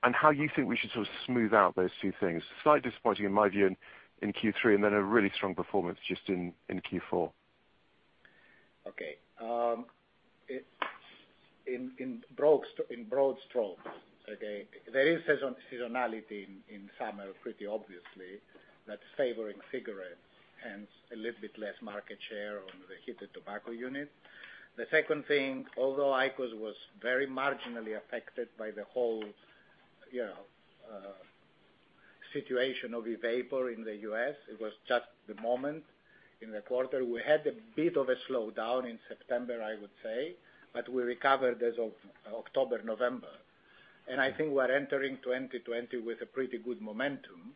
and how you think we should sort of smooth out those two things? Slightly disappointing in my view in Q3, and then a really strong performance just in Q4. Okay. In broad strokes, okay, there is seasonality in summer, pretty obviously, that's favoring cigarettes, hence a little bit less market share on the heated tobacco unit. The second thing, although IQOS was very marginally affected by the whole situation of e-vapor in the U.S., it was just the moment in the quarter. We had a bit of a slowdown in September, I would say, we recovered as of October, November. I think we're entering 2020 with a pretty good momentum.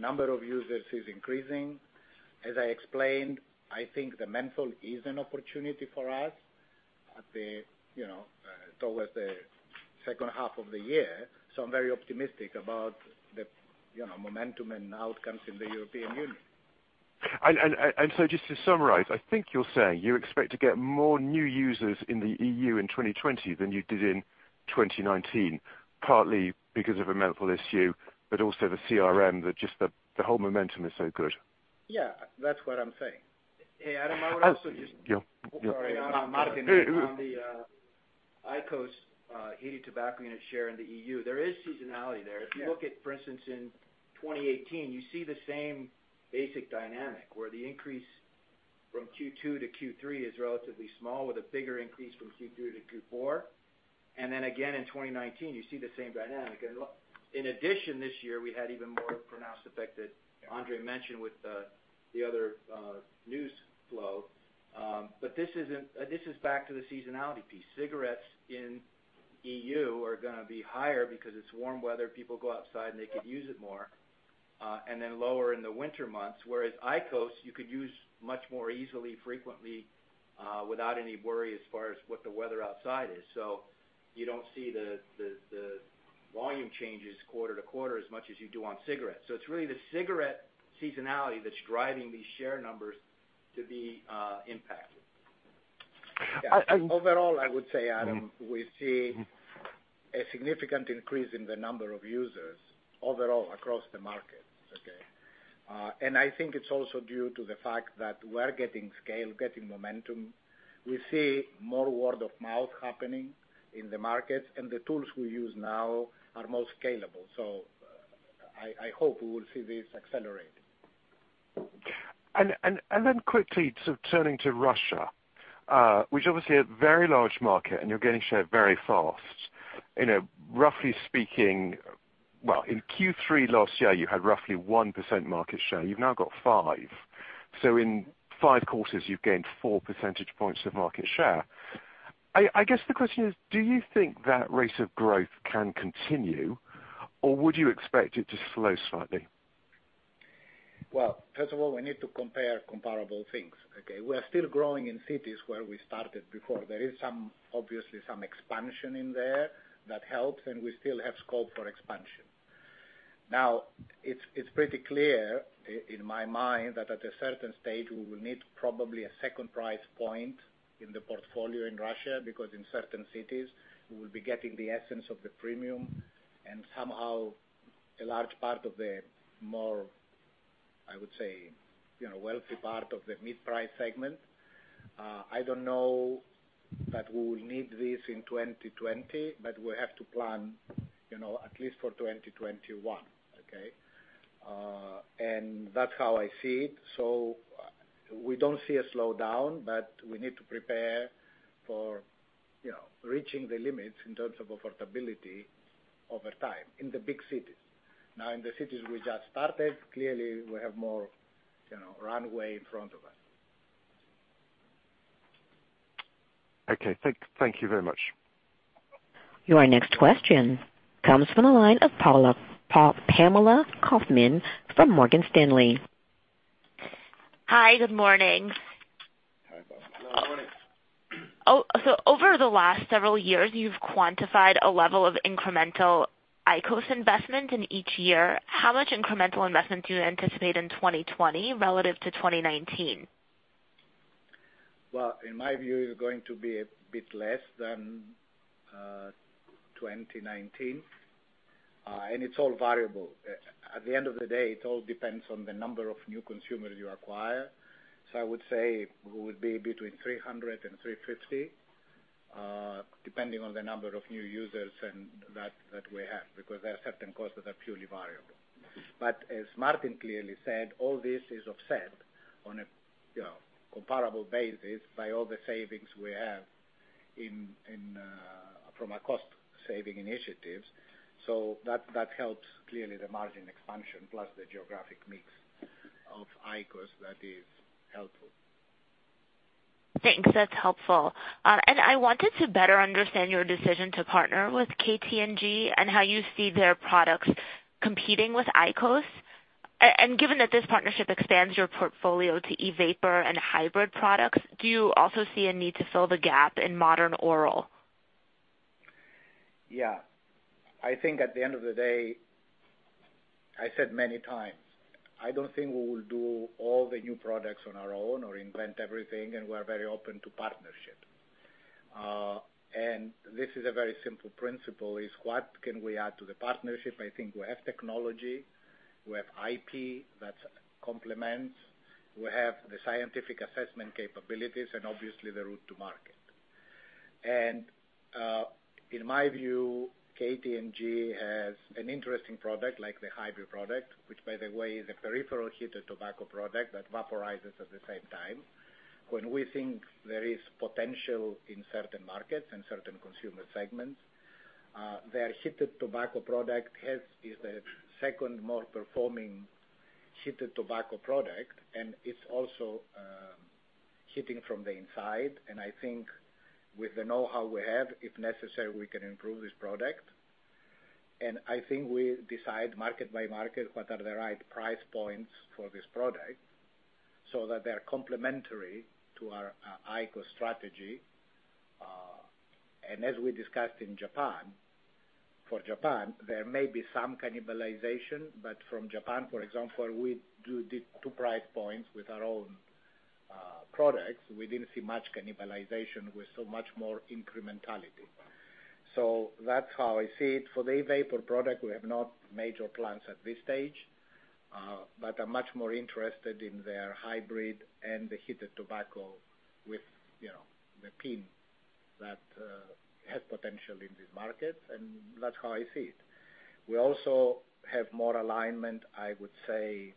Number of users is increasing. As I explained, I think the menthol is an opportunity for us towards the H2 of the year. I'm very optimistic about the momentum and outcomes in the European Union. Just to summarize, I think you're saying you expect to get more new users in the EU in 2020 than you did in 2019, partly because of a menthol issue, but also the CRM, that just the whole momentum is so good. Yeah, that's what I'm saying. Hey, Adam, I would also. Yeah. Sorry. Martin. On the IQOS heated tobacco unit share in the EU, there is seasonality there. Yeah. If you look at, for instance, in 2018, you see the same basic dynamic, where the increase from Q2 to Q3 is relatively small, with a bigger increase from Q3 to Q4. Again in 2019, you see the same dynamic. In addition, this year, we had even more pronounced effect that André mentioned with the other news flow. This is back to the seasonality piece. Cigarettes in EU are going to be higher because it's warm weather, people go outside, and they could use it more, and then lower in the winter months. Whereas IQOS, you could use much more easily, frequently, without any worry as far as what the weather outside is. You don't see the volume changes quarter-to-quarter as much as you do on cigarettes. It's really the cigarette seasonality that's driving these share numbers to be impacted. Yeah. Overall, I would say, Adam, we see a significant increase in the number of users overall across the markets, okay? I think it's also due to the fact that we're getting scale, getting momentum. We see more word of mouth happening in the markets, and the tools we use now are more scalable. I hope we will see this accelerate. Turning to Russia, which obviously a very large market, and you're getting share very fast. In Q3 last year, you had roughly 1% market share. You've now got five. In five quarters, you've gained four percentage points of market share. I guess, the question is, do you think that rate of growth can continue, or would you expect it to slow slightly? Well, first of all, we need to compare comparable things, okay? We are still growing in cities where we started before. There is obviously some expansion in there that helps, and we still have scope for expansion. It's pretty clear in my mind that at a certain stage, we will need probably a second price point in the portfolio in Russia, because in certain cities, we will be getting the essence of the premium and somehow a large part of the more, I would say, wealthy part of the mid-price segment. I don't know that we will need this in 2020, but we have to plan at least for 2021, okay? That's how I see it. We don't see a slowdown, but we need to prepare for reaching the limits in terms of affordability over time in the big cities. In the cities we just started, clearly, we have more runway in front of us. Okay. Thank you very much. Your next question comes from the line of Pamela Kaufman from Morgan Stanley. Hi, good morning. Hi, Pamela. Good morning. Over the last several years, you've quantified a level of incremental IQOS investment in each year. How much incremental investment do you anticipate in 2020 relative to 2019? Well, in my view, it's going to be a bit less than 2019. It's all variable. At the end of the day, it all depends on the number of new consumers you acquire. I would say we would be between 300 and 350, depending on the number of new users that we have, because there are certain costs that are purely variable. As Martin clearly said, all this is offset on a comparable basis by all the savings we have from our cost-saving initiatives. That helps clearly the margin expansion plus the geographic mix of IQOS that is helpful. Thanks. That's helpful. I wanted to better understand your decision to partner with KT&G and how you see their products competing with IQOS. Given that this partnership expands your portfolio to e-vapor and hybrid products, do you also see a need to fill the gap in modern oral? Yeah. I think at the end of the day, I said many times, I don't think we will do all the new products on our own or invent everything. We're very open to partnership. This is a very simple principle, is what can we add to the partnership? I think we have technology, we have IP that complements, we have the scientific assessment capabilities. Obviously, the route to market. In my view, KT&G has an interesting product like the hybrid product, which by the way, is a peripheral heated tobacco product that vaporizes at the same time. When we think there is potential in certain markets and certain consumer segments, their heated tobacco product is the second more performing heated tobacco product. It's also heating from the inside. I think with the knowhow we have, if necessary, we can improve this product. I think we decide market by market what are the right price points for this product so that they're complementary to our IQOS strategy. As we discussed for Japan, there may be some cannibalization. From Japan, for example, we did two price points with our own products. We didn't see much cannibalization with so much more incrementality. That's how I see it. For the e-vapor product, we have no major plans at this stage. I'm much more interested in their hybrid and the heated tobacco with the PIN that has potential in this market, and that's how I see it. We also have more alignment, I would say,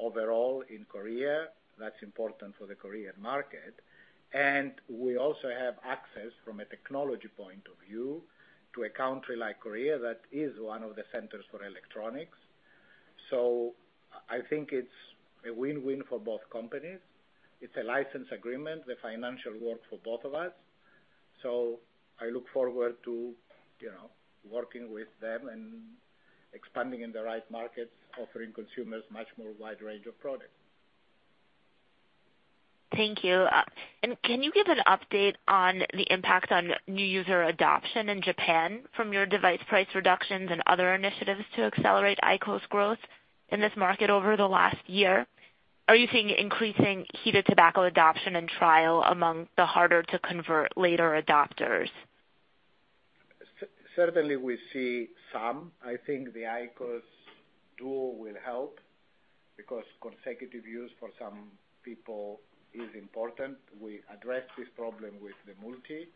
overall in Korea. That's important for the Korean market. We also have access from a technology point of view to a country like Korea that is one of the centers for electronics. I think it's a win-win for both companies. It's a license agreement, the financial work for both of us. I look forward to working with them and expanding in the right markets, offering consumers much more wide range of products. Thank you. Can you give an update on the impact on new user adoption in Japan from your device price reductions and other initiatives to accelerate IQOS growth in this market over the last year? Are you seeing increasing heated tobacco adoption and trial among the harder-to-convert later adopters? Certainly we see some. I think the IQOS DUO will help, because consecutive use for some people is important. We address this problem with the Multi,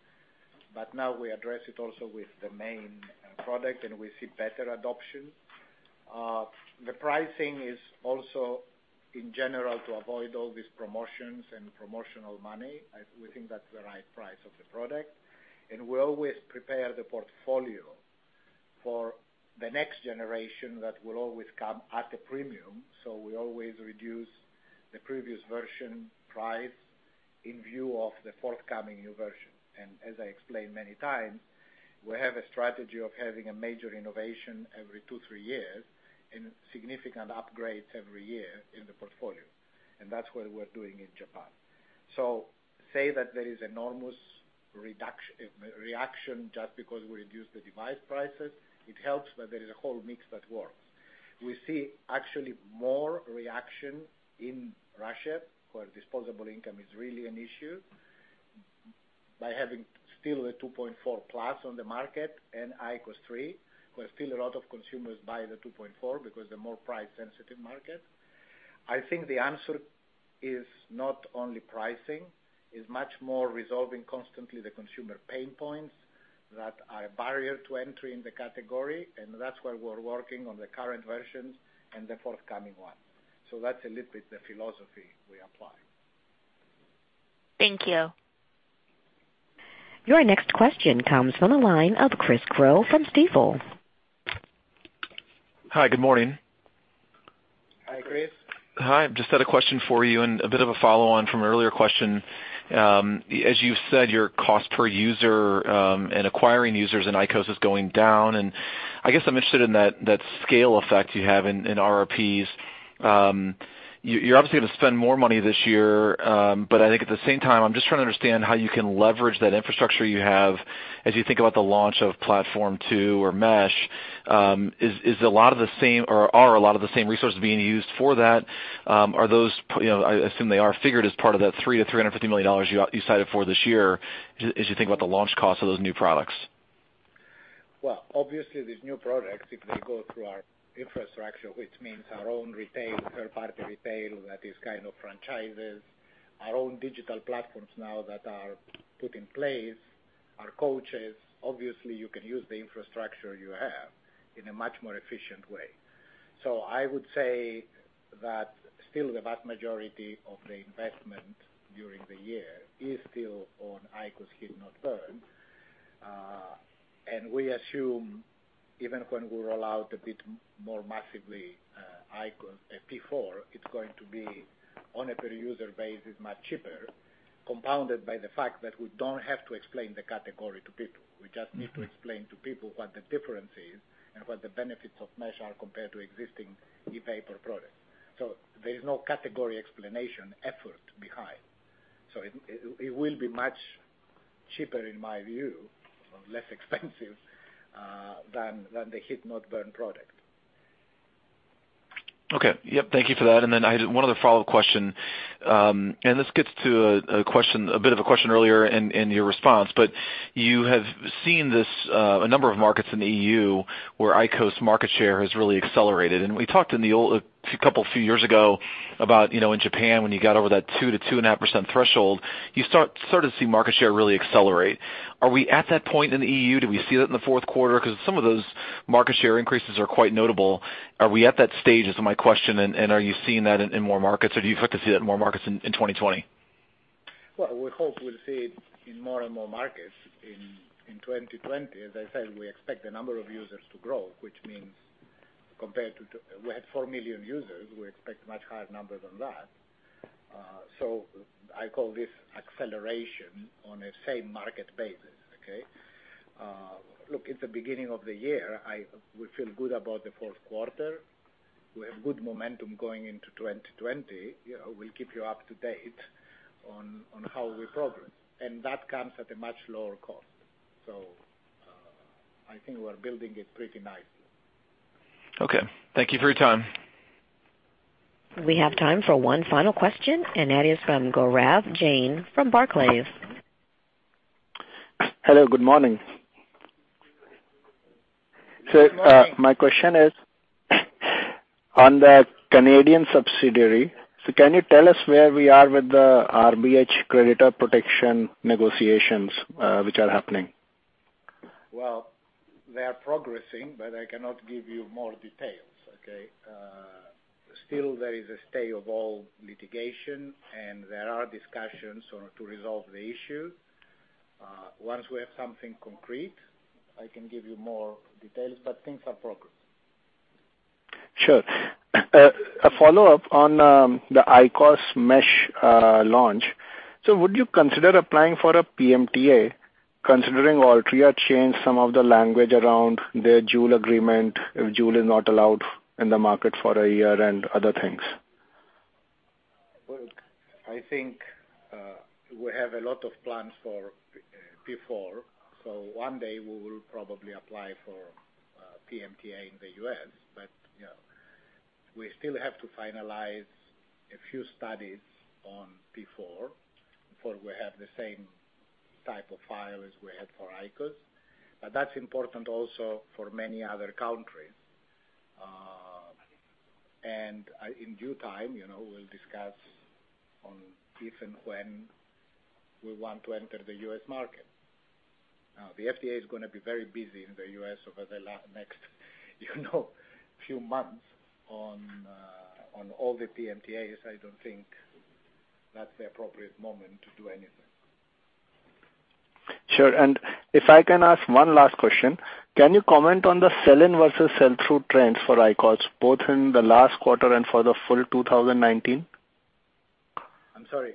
now we address it also with the main product, and we see better adoption. The pricing is also in general to avoid all these promotions and promotional money. We think that's the right price of the product, we always prepare the portfolio for the next generation that will always come at a premium. We always reduce the previous version price in view of the forthcoming new version. As I explained many times, we have a strategy of having a major innovation every two, three years and significant upgrades every year in the portfolio. That's what we're doing in Japan. Say that there is enormous reaction just because we reduce the device prices. It helps. There is a whole mix that works. We see actually more reaction in Russia, where disposable income is really an issue, by having still a IQOS 2.4+ on the market and IQOS 3. Where still a lot of consumers buy the 2.4 because they're more price-sensitive market. I think the answer is not only pricing. It is much more resolving constantly the consumer pain points that are a barrier to entry in the category, and that's where we're working on the current versions and the forthcoming one. That's a little bit the philosophy we apply. Thank you. Your next question comes from the line of Chris Growe from Stifel. Hi, good morning. Hi, Chris. Hi, just had a question for you and a bit of a follow-on from an earlier question. As you've said, your cost per user, and acquiring users in IQOS is going down, I guess I'm interested in that scale effect you have in RRPs. You're obviously going to spend more money this year. I think at the same time, I'm just trying to understand how you can leverage that infrastructure you have as you think about the launch of Platform 2 or Mesh. Are a lot of the same resources being used for that? I assume they are figured as part of that $3 million-$350 million you cited for this year, as you think about the launch cost of those new products. Obviously, these new products, if they go through our infrastructure, which means our own retail, third-party retail, that is kind of franchises, our own digital platforms now that are put in place, our coaches. Obviously, you can use the infrastructure you have in a much more efficient way. I would say that still the vast majority of the investment during the year is still on IQOS heat-not-burn. We assume even when we roll out a bit more massively IQOS P4, it's going to be on a per-user basis, much cheaper, compounded by the fact that we don't have to explain the category to people. We just need to explain to people what the difference is and what the benefits of Mesh are compared to existing e-vapor products. There is no category explanation effort behind. It will be much cheaper, in my view, or less expensive, than the heat-not-burn product. Okay. Yep, thank you for that. One other follow-up question. This gets to a bit of a question earlier in your response. You have seen this, a number of markets in the EU where IQOS market share has really accelerated. We talked a couple, few years ago about, in Japan when you got over that 2-2.5% threshold, you started to see market share really accelerate. Are we at that point in the EU? Do we see that in the Q4? Because some of those market share increases are quite notable. Are we at that stage, is my question, and are you seeing that in more markets, or do you expect to see that in more markets in 2020? Well, we hope we'll see it in more and more markets in 2020. As I said, we expect the number of users to grow, which means compared to We had 4 million users, we expect much higher numbers than that. I call this acceleration on a same market basis, okay? Look, it's the beginning of the year. We feel good about the Q4. We have good momentum going into 2020. We'll keep you up to date on how we progress, and that comes at a much lower cost. I think we're building it pretty nicely. Okay. Thank you for your time. We have time for one final question, and that is from Gaurav Jain from Barclays. Hello, good morning. Good morning. My question is on the Canadian subsidiary. Can you tell us where we are with the RBH creditor protection negotiations, which are happening? Well, they are progressing, but I cannot give you more details, okay? Still, there is a stay of all litigation, and there are discussions to resolve the issue. Once we have something concrete, I can give you more details, but things have progressed. Sure. A follow-up on the IQOS MESH launch. Would you consider applying for a PMTA considering Altria changed some of the language around their Juul agreement, if Juul is not allowed in the market for a year and other things? Look, I think, we have a lot of plans for P4, so one day we will probably apply for PMTA in the U.S. We still have to finalize a few studies on P4, before we have the same type of file as we had for IQOS. That's important also for many other countries. In due time, we'll discuss on if and when we want to enter the U.S. market. Now, the FDA is going to be very busy in the U.S. over the next few months on all the PMTAs. I don't think that's the appropriate moment to do anything. Sure. If I can ask one last question, can you comment on the sell-in versus sell-through trends for IQOS, both in the last quarter and for the full 2019? I'm sorry.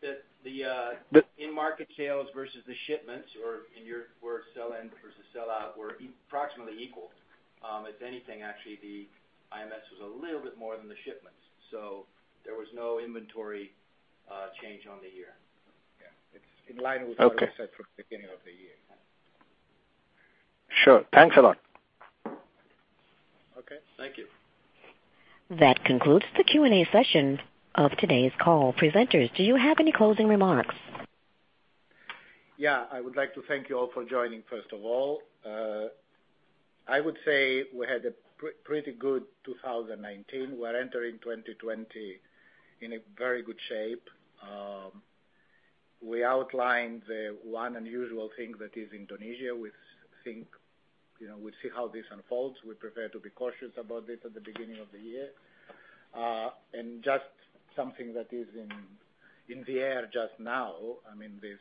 The in-market sales versus the shipments, or in your word, sell-in versus sell out, were approximately equal. If anything, actually, the IMS was a little bit more than the shipments. There was no inventory change on the year. Yeah. It's in line with what. Okay we said from the beginning of the year. Sure. Thanks a lot. Okay. Thank you. That concludes the Q&A session of today's call. Presenters, do you have any closing remarks? Yeah. I would like to thank you all for joining, first of all. I would say we had a pretty good 2019. We're entering 2020 in a very good shape. We outlined the one unusual thing that is Indonesia. We'll see how this unfolds. We prefer to be cautious about this at the beginning of the year. Just something that is in the air just now, this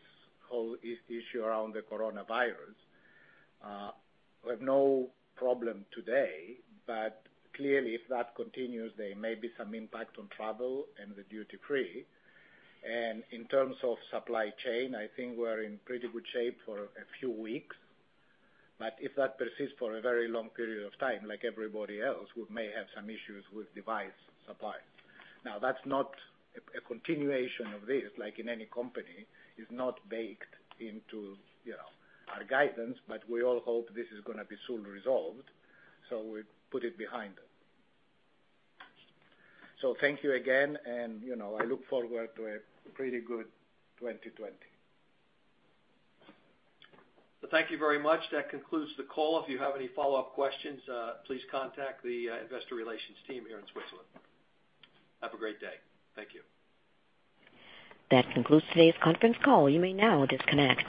whole issue around the coronavirus. We have no problem today, clearly, if that continues, there may be some impact on travel and the duty free. In terms of supply chain, I think we're in pretty good shape for a few weeks. If that persists for a very long period of time, like everybody else, we may have some issues with device supply. Now, that's not a continuation of this, like in any company. It's not baked into our guidance, but we all hope this is going to be soon resolved, so we put it behind us. Thank you again, and I look forward to a pretty good 2020. Thank you very much. That concludes the call. If you have any follow-up questions, please contact the investor relations team here in Switzerland. Have a great day. Thank you. That concludes today's conference call. You may now disconnect.